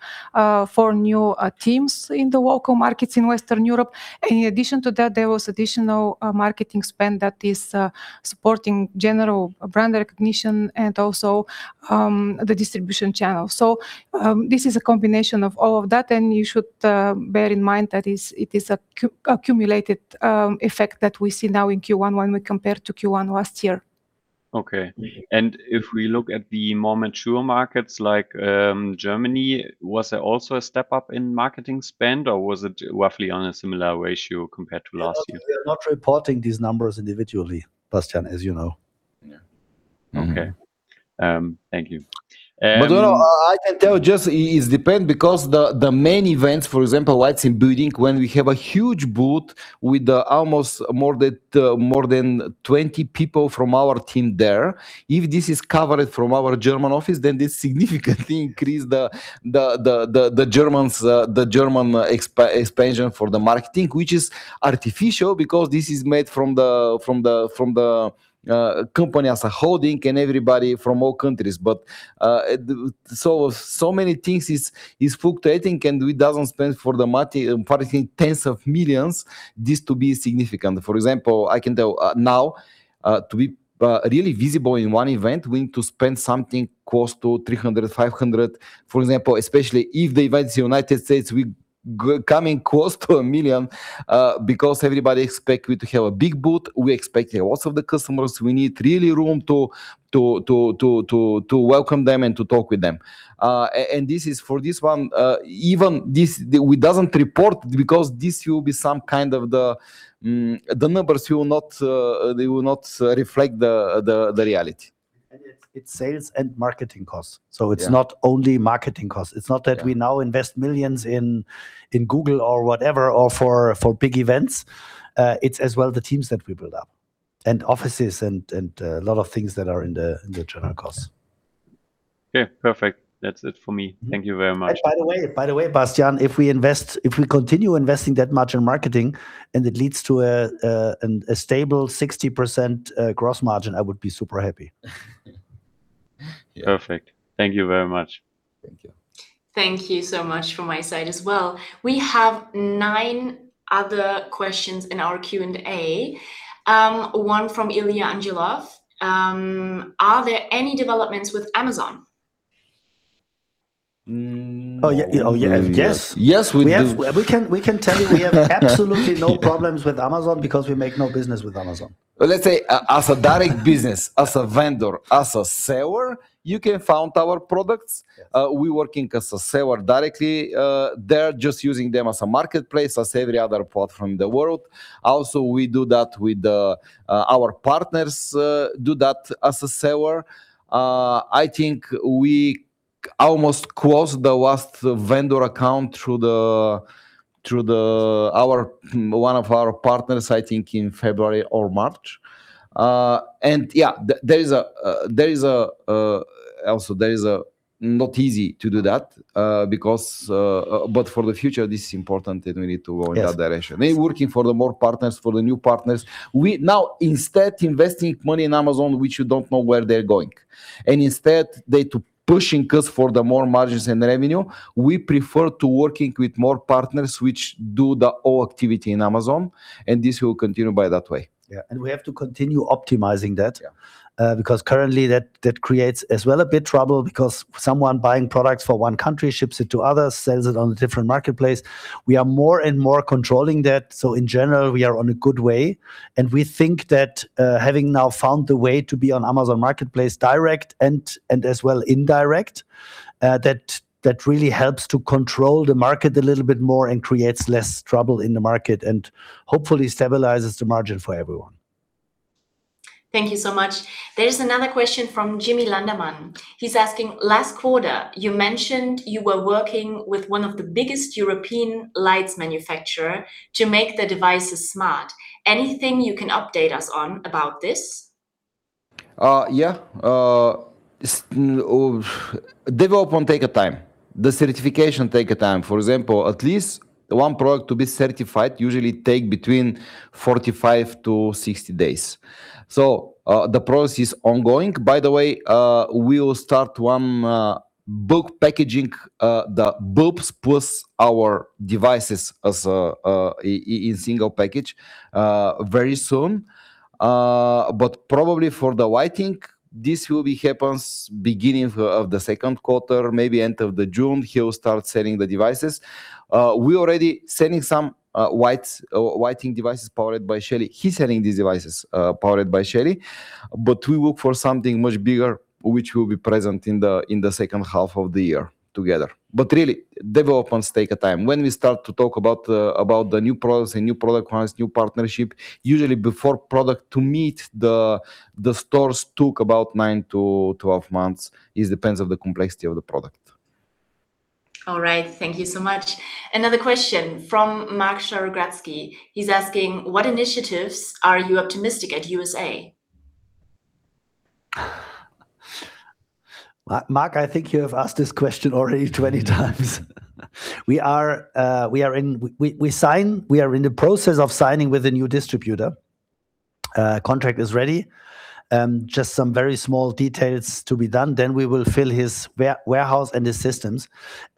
C: four new teams in the local markets in Western Europe. In addition to that, there was additional marketing spend that is supporting general brand recognition and also the distribution channel. This is a combination of all of that, and you should bear in mind that is, it is an accumulated effect that we see now in Q1 when we compare to Q1 last year.
E: Okay. If we look at the more mature markets like Germany, was there also a step up in marketing spend, or was it roughly on a similar ratio compared to last year?
B: We are not reporting these numbers individually, Bastian, as you know.
E: Yeah. Okay. Thank you.
D: No, no, I can tell just it is depend because the main events, for example, Light + Building, when we have a huge booth with, almost more than 20 people from our team there, if this is covered from our German office, then this significantly increase the, the, the Germans, the German expansion for the marketing, which is artificial because this is made from the company as a holding and everybody from all countries. So many things is fluctuating and it doesn't spend for the marketing tens of millions, this to be significant. For example, I can tell, now, to be really visible in one event, we need to spend something close to 300-500. For example, especially if the event is United States, we coming close to 1 million because everybody expect we to have a big booth. We expect lots of the customers. We need really room to welcome them and to talk with them. This is for this one, even this, we doesn't report because this will be some kind of the numbers will not, they will not reflect the reality.
B: It's sales and marketing costs.
D: Yeah.
B: It's not only marketing costs.
D: Yeah.
B: It's not that we now invest millions in Google or whatever, or for big events. It's as well the teams that we build up, and offices and a lot of things that are in the general costs.
E: Yeah. Perfect. That's it for me. Thank you very much.
B: By the way, Bastian, if we invest, if we continue investing that much in marketing and it leads to a stable 60% gross margin, I would be super happy.
E: Perfect. Thank you very much.
B: Thank you.
A: Thank you so much from my side as well. We have nine other questions in our Q&A. One from Ilya Angelov. Are there any developments with Amazon?
B: Oh, yeah. Oh, yeah. Yes.
D: Yes. Yes, we do.
B: We can tell you, we have absolutely no problems with Amazon because we make no business with Amazon.
D: Let's say, as a direct business, as a vendor, as a seller, you can find our products. We working as a seller directly. They're just using them as a marketplace, as every other part from the world. We do that with our partners, do that as a seller. I think we almost closed the last vendor account through the, through the, our, one of our partners I think in February or March. Yeah, there is also not easy to do that, because for the future, this is important, and we need to go in that direction.
B: Yes.
D: We working for the more partners, for the new partners. We now instead investing money in Amazon, which you don't know where they're going, and instead they to pushing us for the more margins and revenue, we prefer to working with more partners which do the all activity in Amazon, and this will continue by that way.
B: Yeah. We have to continue optimizing that.
D: Yeah.
B: Because currently that creates as well a bit trouble because someone buying products for one country, ships it to others, sells it on a different marketplace. We are more and more controlling that. In general, we are on a good way. We think that, having now found the way to be on Amazon Marketplace direct and as well indirect, that really helps to control the market a little bit more and creates less trouble in the market, and hopefully stabilizes the margin for everyone.
A: Thank you so much. There's another question from Jimmy [Landermann]. He's asking, "Last quarter you mentioned you were working with one of the biggest European lights manufacturer to make the devices smart. Anything you can update us on about this?"
D: Yeah, development take a time. The certification take a time. For example, at least one product to be certified usually take between 45-60 days. The process is ongoing. By the way, we will start bulk packaging the bulbs plus our devices in single package very soon. Probably for the lighting, this will be happens beginning of the Q2, maybe end of June we'll start selling the devices. We already selling some lights, lighting devices powered by Shelly. We are selling these devices powered by Shelly. We work for something much bigger, which will be present in the H2 of the year together. Really, developments take a time. When we start to talk about the new products and new product lines, new partnership, usually before product to meet the stores took about nine to 12 months. It depends on the complexity of the product.
A: All right. Thank you so much. Another question from Mark [Sharugradsky]. He's asking, "What initiatives are you optimistic at U.S.A.?"
B: Mark, I think you have asked this question already 20x. We are in the process of signing with a new distributor. Contract is ready, just some very small details to be done, then we will fill his warehouse and his systems.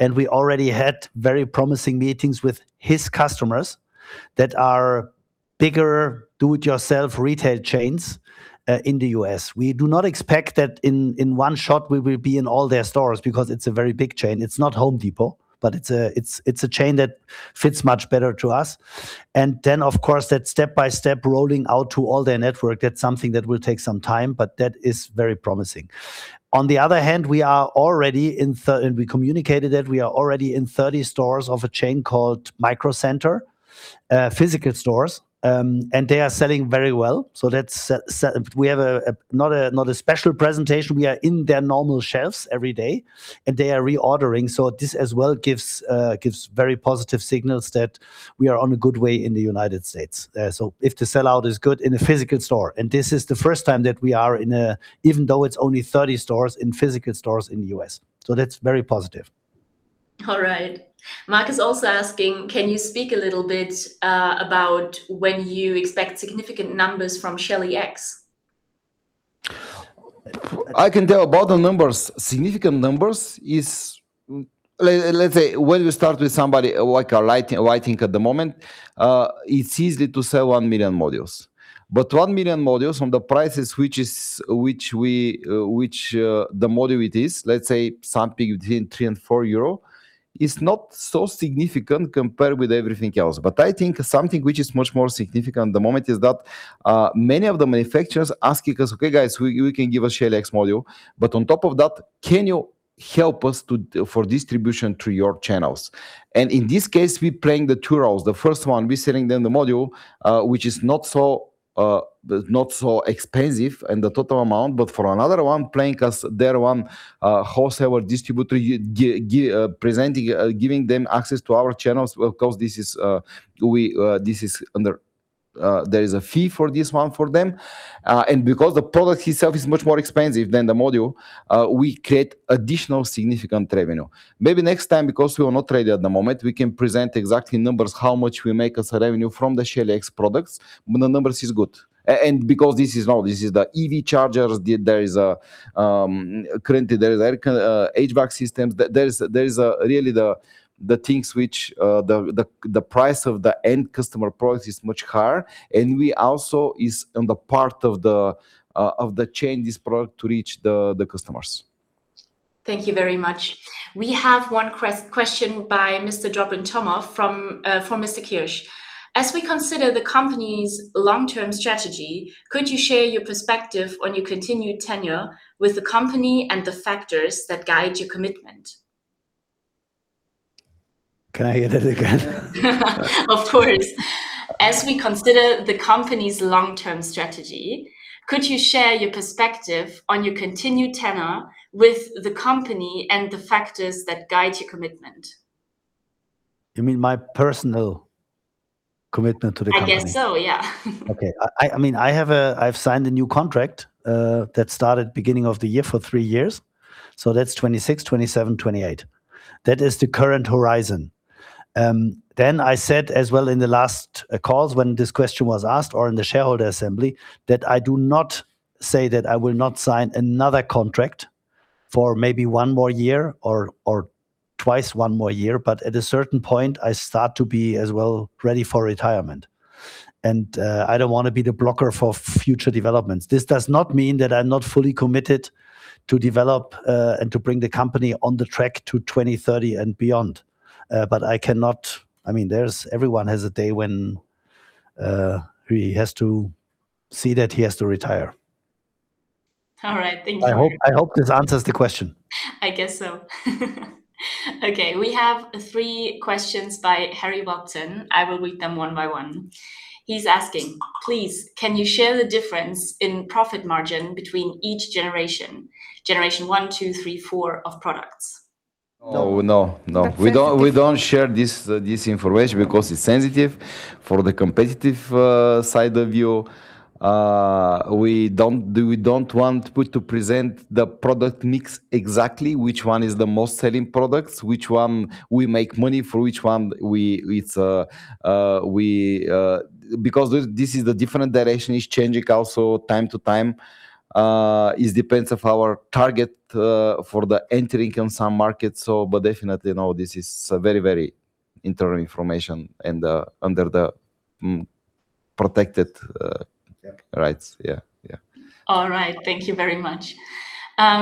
B: We already had very promising meetings with his customers that are bigger do it yourself retail chains in the U.S. We do not expect that in one shot we will be in all their stores because it's a very big chain. It's not Home Depot, but it's a chain that fits much better to us. Then of course that step-by-step rolling out to all their network, that's something that will take some time, but that is very promising. On the other hand, we are already in and we communicated that we are already in 30 stores of a chain called Micro Center, physical stores. They are selling very well. We have a not a special presentation. We are in their normal shelves every day, they are reordering. This as well gives very positive signals that we are on a good way in the United States. If the sell-out is good in a physical store, this is the first time that we are in a, even though it's only 30 stores, in physical stores in the U.S. That's very positive.
A: All right. Mark is also asking, can you speak a little bit about when you expect significant numbers from Shelly X?
D: I can tell about the numbers. Significant numbers is let's say when you start with somebody like a lighting at the moment, it's easy to sell 1 million modules. 1 million modules on the prices which is, which we, the module it is, let's say something between 3 and 4 euro, is not so significant compared with everything else. I think something which is much more significant at the moment is that many of the manufacturers asking us, "Okay, guys, you can give us Shelly X module, but on top of that, can you help us for distribution through your channels?" In this case, we playing the two roles. The first one, we're selling them the module, which is not so, not so expensive in the total amount, but for another one playing as their one wholesaler distributor presenting, giving them access to our channels because this is, we, this is under, there is a fee for this one for them. Because the product itself is much more expensive than the module, we create additional significant revenue. Maybe next time because we are not ready at the moment, we can present exact numbers how much we make as revenue from the Shelly X products, but the numbers is good. Because this is now the EV chargers, there is currently HVAC systems. There is really the things which the price of the end customer price is much higher and we also is on the part of the chain this product to reach the customers.
A: Thank you very much. We have one question by Mr. [Drobin Tomov] for Mr. Kirsch. As we consider the company's long-term strategy, could you share your perspective on your continued tenure with the company and the factors that guide your commitment?
B: Can I hear that again?
A: Of course. As we consider the company's long-term strategy, could you share your perspective on your continued tenure with the company and the factors that guide your commitment?
B: You mean my personal commitment to the company?
A: I guess so, yeah.
B: I mean, I've signed a new contract that started beginning of the year for three years, so that's 2026, 2027, 2028. That is the current horizon. I said as well in the last calls when this question was asked or in the shareholder assembly, that I do not say that I will not sign another contract for maybe one more year or twice one more year, but at a certain point, I start to be as well ready for retirement. I don't wanna be the blocker for future developments. This does not mean that I'm not fully committed to develop and to bring the company on the track to 2030 and beyond. But I cannot I mean, there's, everyone has a day when he has to see that he has to retire.
A: All right. Thank you very much.
B: I hope this answers the question.
A: I guess so. Okay. We have three questions by Harry Watson. I will read them one by one. He's asking, please, can you share the difference in profit margin between each generation one, two, three, four of products?
D: Oh, no. No.
A: Okay.
D: We don't share this information because it's sensitive for the competitive side of view. We don't want to present the product mix exactly which one is the most selling products, which one we make money, for which one we. Because this is the different direction is changing also time to time. It depends of our target for the entering in some markets, so but definitely, no, this is very, very internal information and under protected rights. Yeah, yeah.
A: All right. Thank you very much.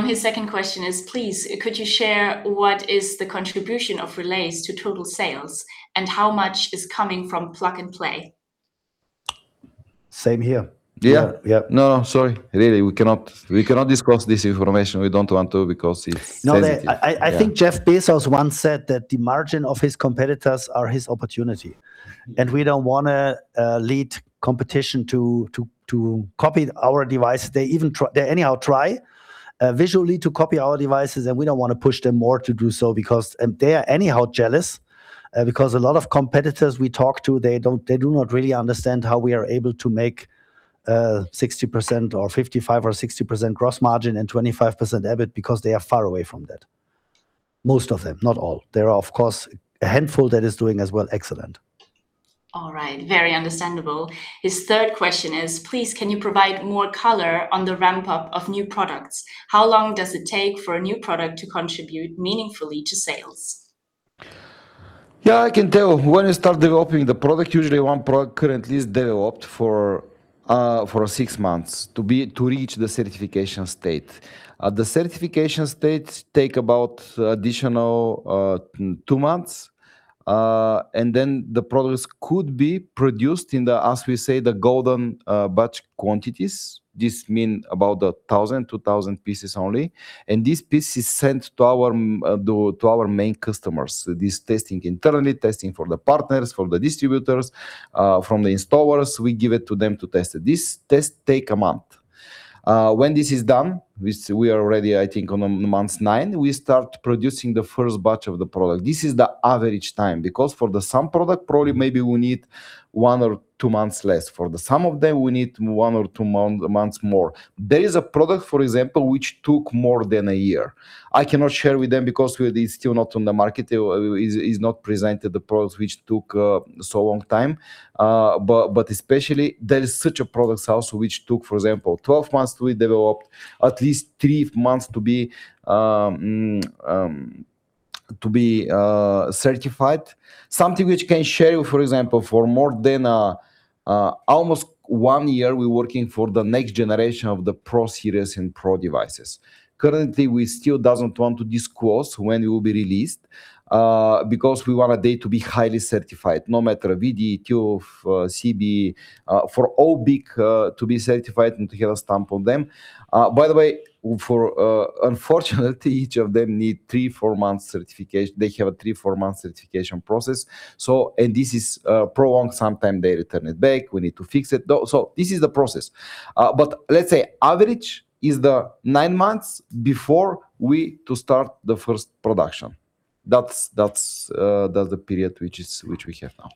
A: His second question is, please, could you share what is the contribution of relays to total sales, and how much is coming from plug and play?
B: Same here.
D: Yeah.
B: Yeah, yeah.
D: No, no, sorry. Really we cannot disclose this information. We don't want to because it's sensitive.
B: No, I think Jeff Bezos once said that the margin of his competitors are his opportunity, we don't wanna lead competition to copy our device. They even try, they anyhow try visually to copy our devices, we don't wanna push them more to do so because, they are anyhow jealous because a lot of competitors we talk to, they do not really understand how we are able to make 60% or 55% or 60% gross margin and 25% EBIT because they are far away from that. Most of them, not all. There are of course a handful that is doing as well excellent.
A: All right. Very understandable. His third question is, "Please, can you provide more color on the ramp-up of new products? How long does it take for a new product to contribute meaningfully to sales?"
D: Yeah, I can tell. When you start developing the product, usually one product currently is developed for six months to be, to reach the certification state. The certification states take about additional two months. The products could be produced in the, as we say, the golden batch quantities. This mean about 1,000, 2,000 pieces only, and this piece is sent to our main customers. This testing internally, testing for the partners, for the distributors, from the installers, we give it to them to test it. This test take a month. When this is done, we are ready I think on months nine, we start producing the first batch of the product. This is the average time because for the some product probably maybe we need one or two months less. For the some of them, we need one or two months more. There is a product, for example, which took more than a year. I cannot share with them because we, it's still not on the market. is not presented the products which took so long time. but especially there is such a product also which took, for example, 12 months to be developed, at least three months To be certified. Something which can show you, for example, for more than almost one year we working for the next generation of the Pro series and Pro devices. Currently we still doesn't want to disclose when it will be released, because we want a day to be highly certified, no matter VDE, TÜV, CB, for all big to be certified and to have a stamp on them. By the way, for, unfortunately each of them need three, four months certification. They have a three, four month certification process. This is prolonged. Sometimes they return it back, we need to fix it. This is the process. Let's say average is the nine months before we to start the first production. That's, that's the period which is, which we have now.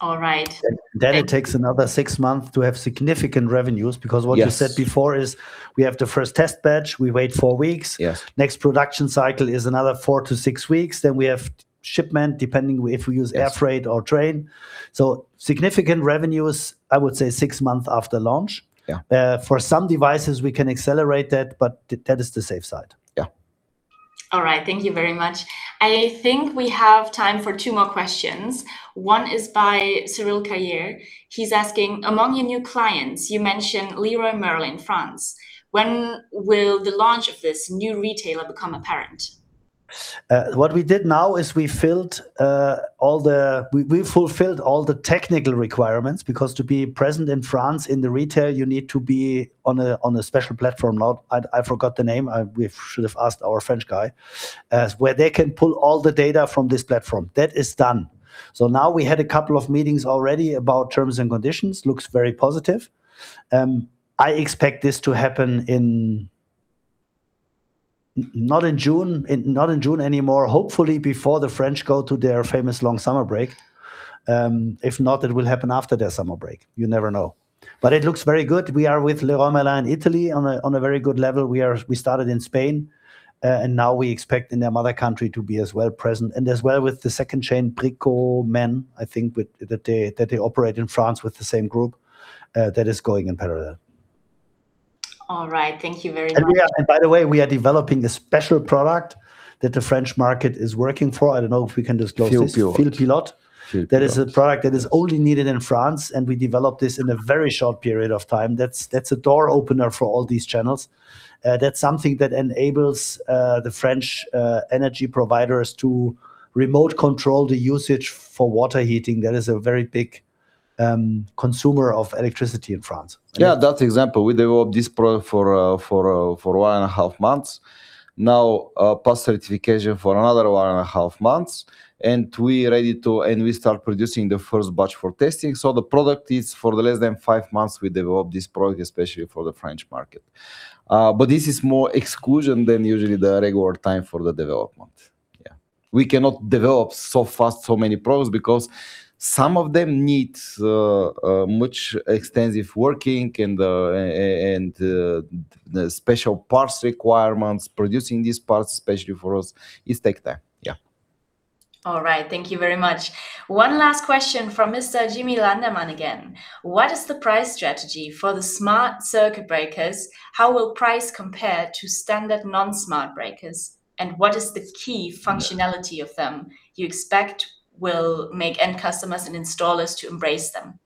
A: All right.
B: It takes another six months to have significant revenues.
D: Yes.
B: What you said before is, "We have the first test batch, we wait four weeks."
D: Yes.
B: Next production cycle is another four to six weeks. We have shipment, depending if we use air freight or train. Significant revenues, I would say six month after launch.
D: Yeah.
B: For some devices we can accelerate that, but that is the safe side.
D: Yeah.
A: All right. Thank you very much. I think we have time for two more questions. One is by Cyril [Cayer]. He's asking, "Among your new clients, you mentioned Leroy Merlin, France. When will the launch of this new retailer become apparent?"
B: What we did now is we fulfilled all the technical requirements, because to be present in France in the retail, you need to be on a special platform. I forgot the name. We should have asked our French guy. Where they can pull all the data from this platform. That is done. Now we had a couple of meetings already about terms and conditions. Looks very positive. I expect this to happen not in June, not in June anymore. Hopefully before the French go to their famous long summer break. If not, it will happen after their summer break. You never know. It looks very good. We are with Leroy Merlin Italy on a very good level. We started in Spain, now we expect in their mother country to be as well present. As well with the second chain, Bricoman, I think that they operate in France with the same group. That is going in parallel.
A: All right. Thank you very much.
B: Yeah. By the way, we are developing a special product that the French market is working for. I don't know if we can disclose this.
D: Fil Pilote.
B: Fil Pilote.
D: Fil Pilote.
B: That is a product that is only needed in France, and we developed this in a very short period of time. That's, that's a door opener for all these channels. That's something that enables the French energy providers to remote control the usage for water heating. That is a very big consumer of electricity in France.
D: Yeah. That example, we developed this product for 1.5 months. Now, pass certification for another 1.5 months, and we ready to, and we start producing the first batch for testing. The product is for less than five months we developed this product especially for the French market. This is more exclusion than usually the regular time for the development. We cannot develop so fast so many products because some of them needs much extensive working and the special parts requirements. Producing these parts especially for us is take time.
A: All right. Thank you very much. One last question from Mr. Jimmy [Landermann] again, "What is the price strategy for the smart circuit breakers? How will price compare to standard non-smart breakers, and what is the key functionality of them you expect will make end customers and installers to embrace them?"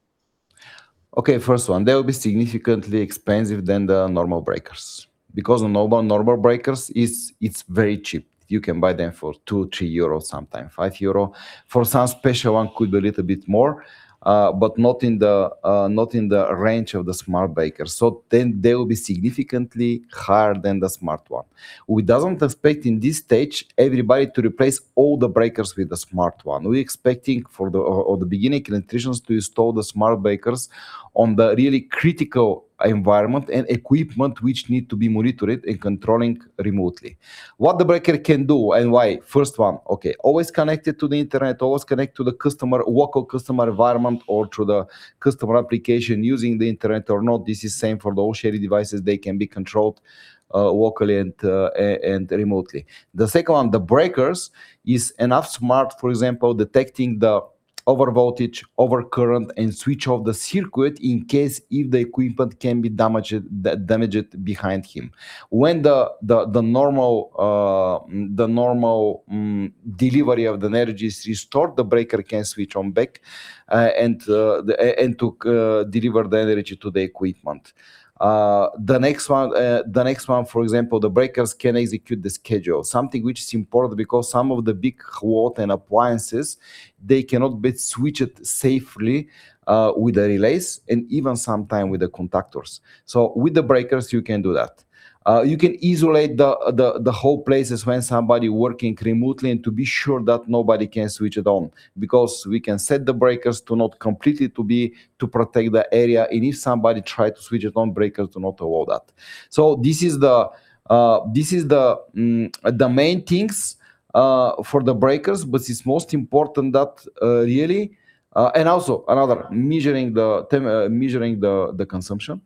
D: Okay. First one, they will be significantly expensive than the normal breakers. The normal breakers is, it's very cheap. You can buy them for 2 euros, 3 euros, sometimes 5 euro. For some special one could be a little bit more, but not in the range of the smart breakers. They will be significantly higher than the smart one. We doesn't expect in this stage everybody to replace all the breakers with the smart one. We expecting for the beginning electricians to install the smart breakers on the really critical environment and equipment which need to be monitored and controlling remotely. What the breaker can do and why? First one, always connected to the internet, always connect to the customer, local customer environment or to the customer application using the internet or not. This is same for all Shelly devices. They can be controlled locally and remotely. The second one, the breakers is enough smart, for example, detecting the over-voltage, over-current, and switch off the circuit in case if the equipment can be damaged behind him. When the normal delivery of the energy is restored, the breaker can switch on back and to deliver the energy to the equipment. The next one, for example, the breakers can execute the schedule. Something which is important because some of the big current appliances, they cannot be switched safely with the relays, and even sometime with the contactors. With the breakers you can do that. You can isolate the whole places when somebody working remotely and to be sure that nobody can switch it on, because we can set the breakers to not completely to be, to protect the area, and if somebody try to switch it on, breakers do not allow that. This is the main things for the breakers, but it's most important that, really, and also another, measuring the consumption,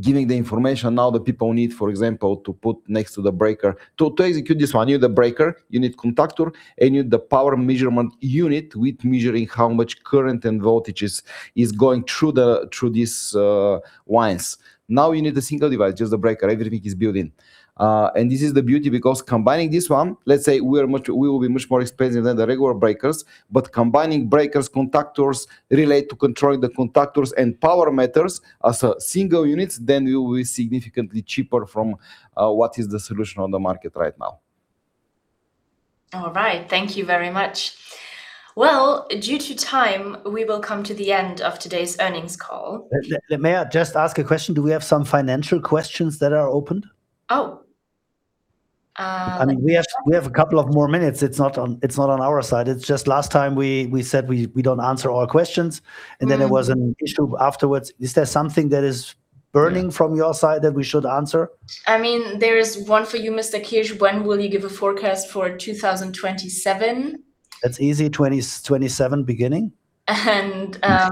D: giving the information now the people need, for example, to put next to the breaker. To execute this one, you need the breaker, you need contactor, and you need the power measurement unit with measuring how much current and voltages is going through these lines. Now you need a single device, just the breaker. Everything is built in. This is the beauty because combining this one, let's say we will be much more expensive than the regular breakers, but combining breakers, contactors, relay to control the contactors, and power meters as a single unit, then we will be significantly cheaper from what is the solution on the market right now.
A: All right. Thank you very much. Well, due to time, we will come to the end of today's earnings call.
B: May I just ask a question? Do we have some financial questions that are open?
A: Oh.
B: I mean, we have a couple of more minutes. It's not on our side. It's just last time we said we don't answer all questions. There was an issue afterwards. Is there something that is burning from your side that we should answer?
A: I mean, there is one for you, Mr. Kirsch. When will you give a forecast for 2027?
B: That's easy. 2027 beginning.
A: And, um-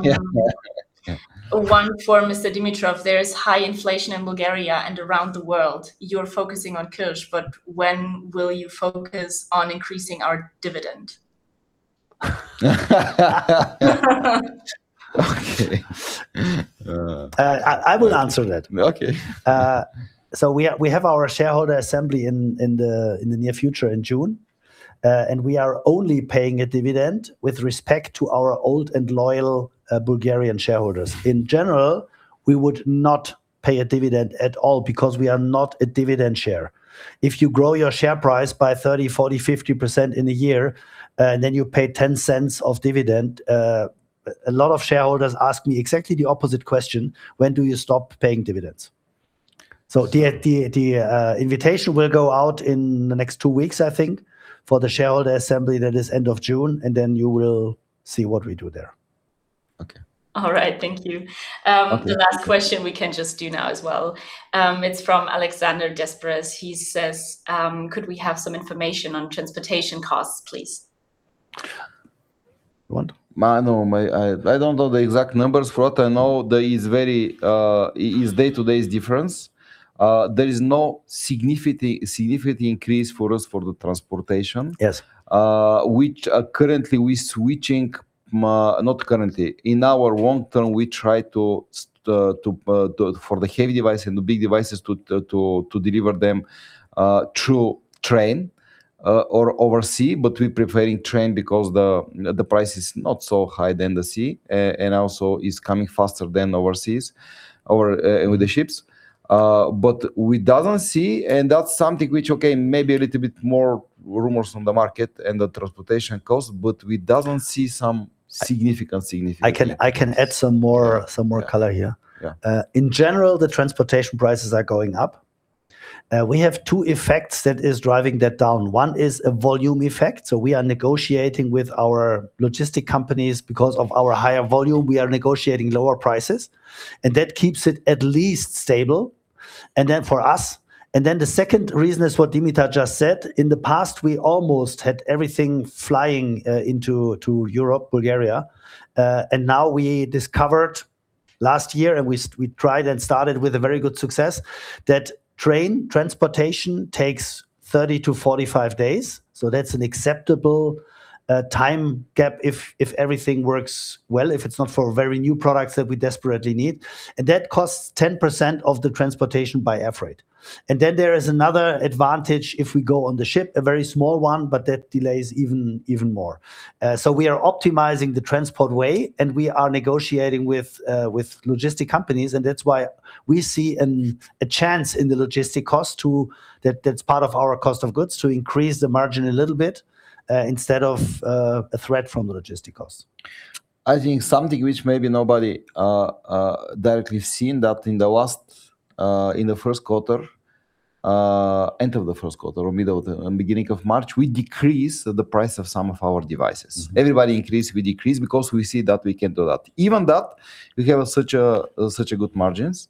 B: Yeah.
A: One for Mr. Dimitrov. There is high inflation in Bulgaria and around the world. You're focusing on Kirsch, but when will you focus on increasing our dividend?
D: Okay.
B: I will answer that.
D: Okay.
B: We have our shareholder assembly in the near future in June. We are only paying a dividend with respect to our old and loyal Bulgarian shareholders. In general, we would not pay a dividend at all because we are not a dividend share. If you grow your share price by 30%, 40%, 50% in a year, and then you pay 0.10 of dividend, a lot of shareholders ask me exactly the opposite question, "When do you stop paying dividends?" The invitation will go out in the next two weeks I think for the shareholder assembly that is end of June, and then you will see what we do there.
D: Okay.
A: All right. Thank you. The last question we can just do now as well. It's from Alexander [Despres]. He says, "Could we have some information on transportation costs, please?"
D: I know, I don't know the exact numbers. What I know, there is very, is day-to-day is difference. There is no significant increase for us for the transportation.
B: Yes.
D: Which currently we switching, not currently. In our long-term, we try to deliver them through train or over sea, but we preferring train because the price is not so high than the sea, and also is coming faster than overseas or with the ships. But we doesn't see, and that's something which, again, maybe a little bit more rumors on the market and the transportation cost, but we doesn't see some significant increase.
B: I can add some, some more color here.
D: Yeah.
B: In general, the transportation prices are going up. We have two effects that is driving that down. One is a volume effect, we are negotiating with our logistic companies. Because of our higher volume, we are negotiating lower prices, that keeps it at least stable for us. The second reason is what Dimitar just said. In the past, we almost had everything flying into Europe, Bulgaria. Now we discovered last year, we tried and started with very good success, that train transportation takes 30-45 days, that's an acceptable time gap if everything works well, if it's not for very new products that we desperately need. That costs 10% of the transportation by air freight. There is another advantage if we go on the ship, a very small one, but that delays even more. We are optimizing the transport way, and we are negotiating with logistic companies, and that's why we see a chance in the logistic cost to that that's part of our cost of goods, to increase the margin a little bit instead of a threat from the logistic cost.
D: I think something which maybe nobody directly seen that in the last in the Q1, end of the Q1 or middle of the beginning of March, we decrease the price of some of our devices. Everybody increase, we decrease because we see that we can do that. Even that, we have such a good margins,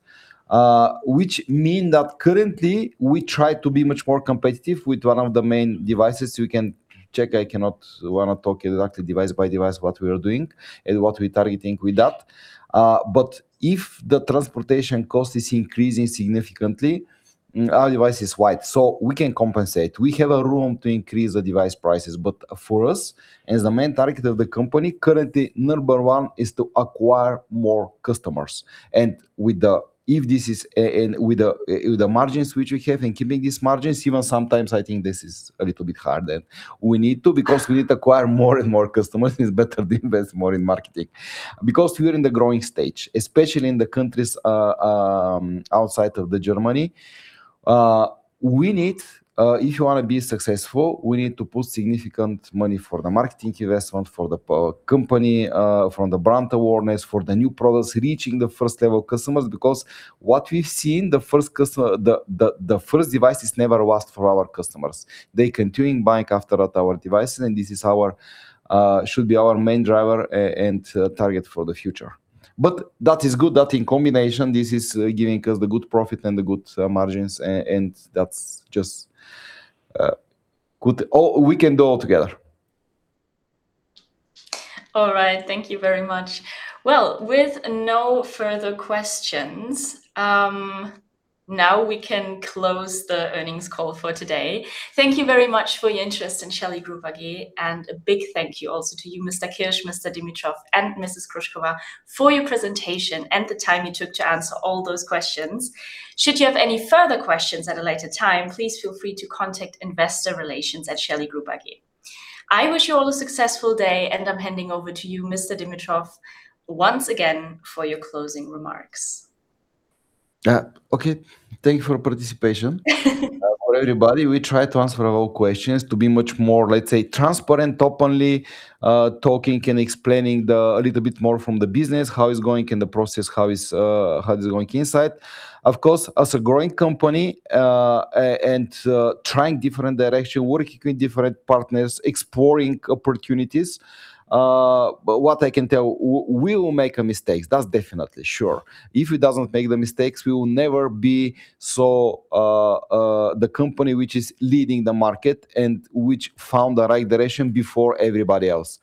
D: which mean that currently we try to be much more competitive with one of the main devices. You can check. We're not talking exactly device by device what we are doing and what we're targeting with that. If the transportation cost is increasing significantly, our device is wide, so we can compensate. We have a room to increase the device prices. For us, as the main target of the company, currently number one is to acquire more customers. With the margins which we have, keeping these margins even sometimes I think this is a little bit hard, we need to because we need to acquire more and more customers. It's better to invest more in marketing. Because we are in the growing stage, especially in the countries, outside of Germany, we need If you wanna be successful, we need to put significant money for the marketing investment, for the company, for the brand awareness, for the new products reaching the first-level customers because what we've seen, the first customer, the first device is never last for our customers. They continue buying after that our devices, and this is our should be our main driver and target for the future. That is good. That in combination, this is giving us the good profit and the good margins and that's just good. We can do all together.
A: All right. Thank you very much. Well, with no further questions, now we can close the earnings call for today. Thank you very much for your interest in Shelly Group SE, and a big thank you also to you, Mr. Kirsch, Mr. Dimitrov, and Mrs. Krushkova for your presentation and the time you took to answer all those questions. Should you have any further questions at a later time, please feel free to contact investor relations at Shelly Group SE. I wish you all a successful day, and I'm handing over to you, Mr. Dimitrov, once again for your closing remarks.
D: Okay. Thank you for your participation for everybody. We try to answer all questions to be much more, let's say, transparent, openly talking and explaining the, a little bit more from the business, how it's going in the process, how is it going inside. Of course, as a growing company, and trying different direction, working with different partners, exploring opportunities, but what I can tell, we will make a mistakes. That's definitely sure. If we doesn't make the mistakes, we will never be so, the company which is leading the market and which found the right direction before everybody else.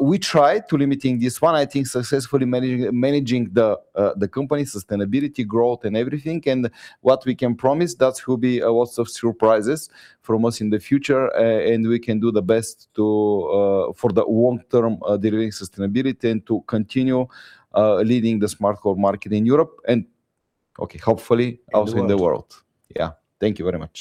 D: We try to limiting this one, I think successfully managing the company sustainability growth and everything. What we can promise, that will be lots of surprises from us in the future, and we can do the best to for the long-term delivering sustainability and to continue leading the smart home market in Europe, and, okay, hopefully also in the world.
B: In the world.
D: Yeah. Thank you very much.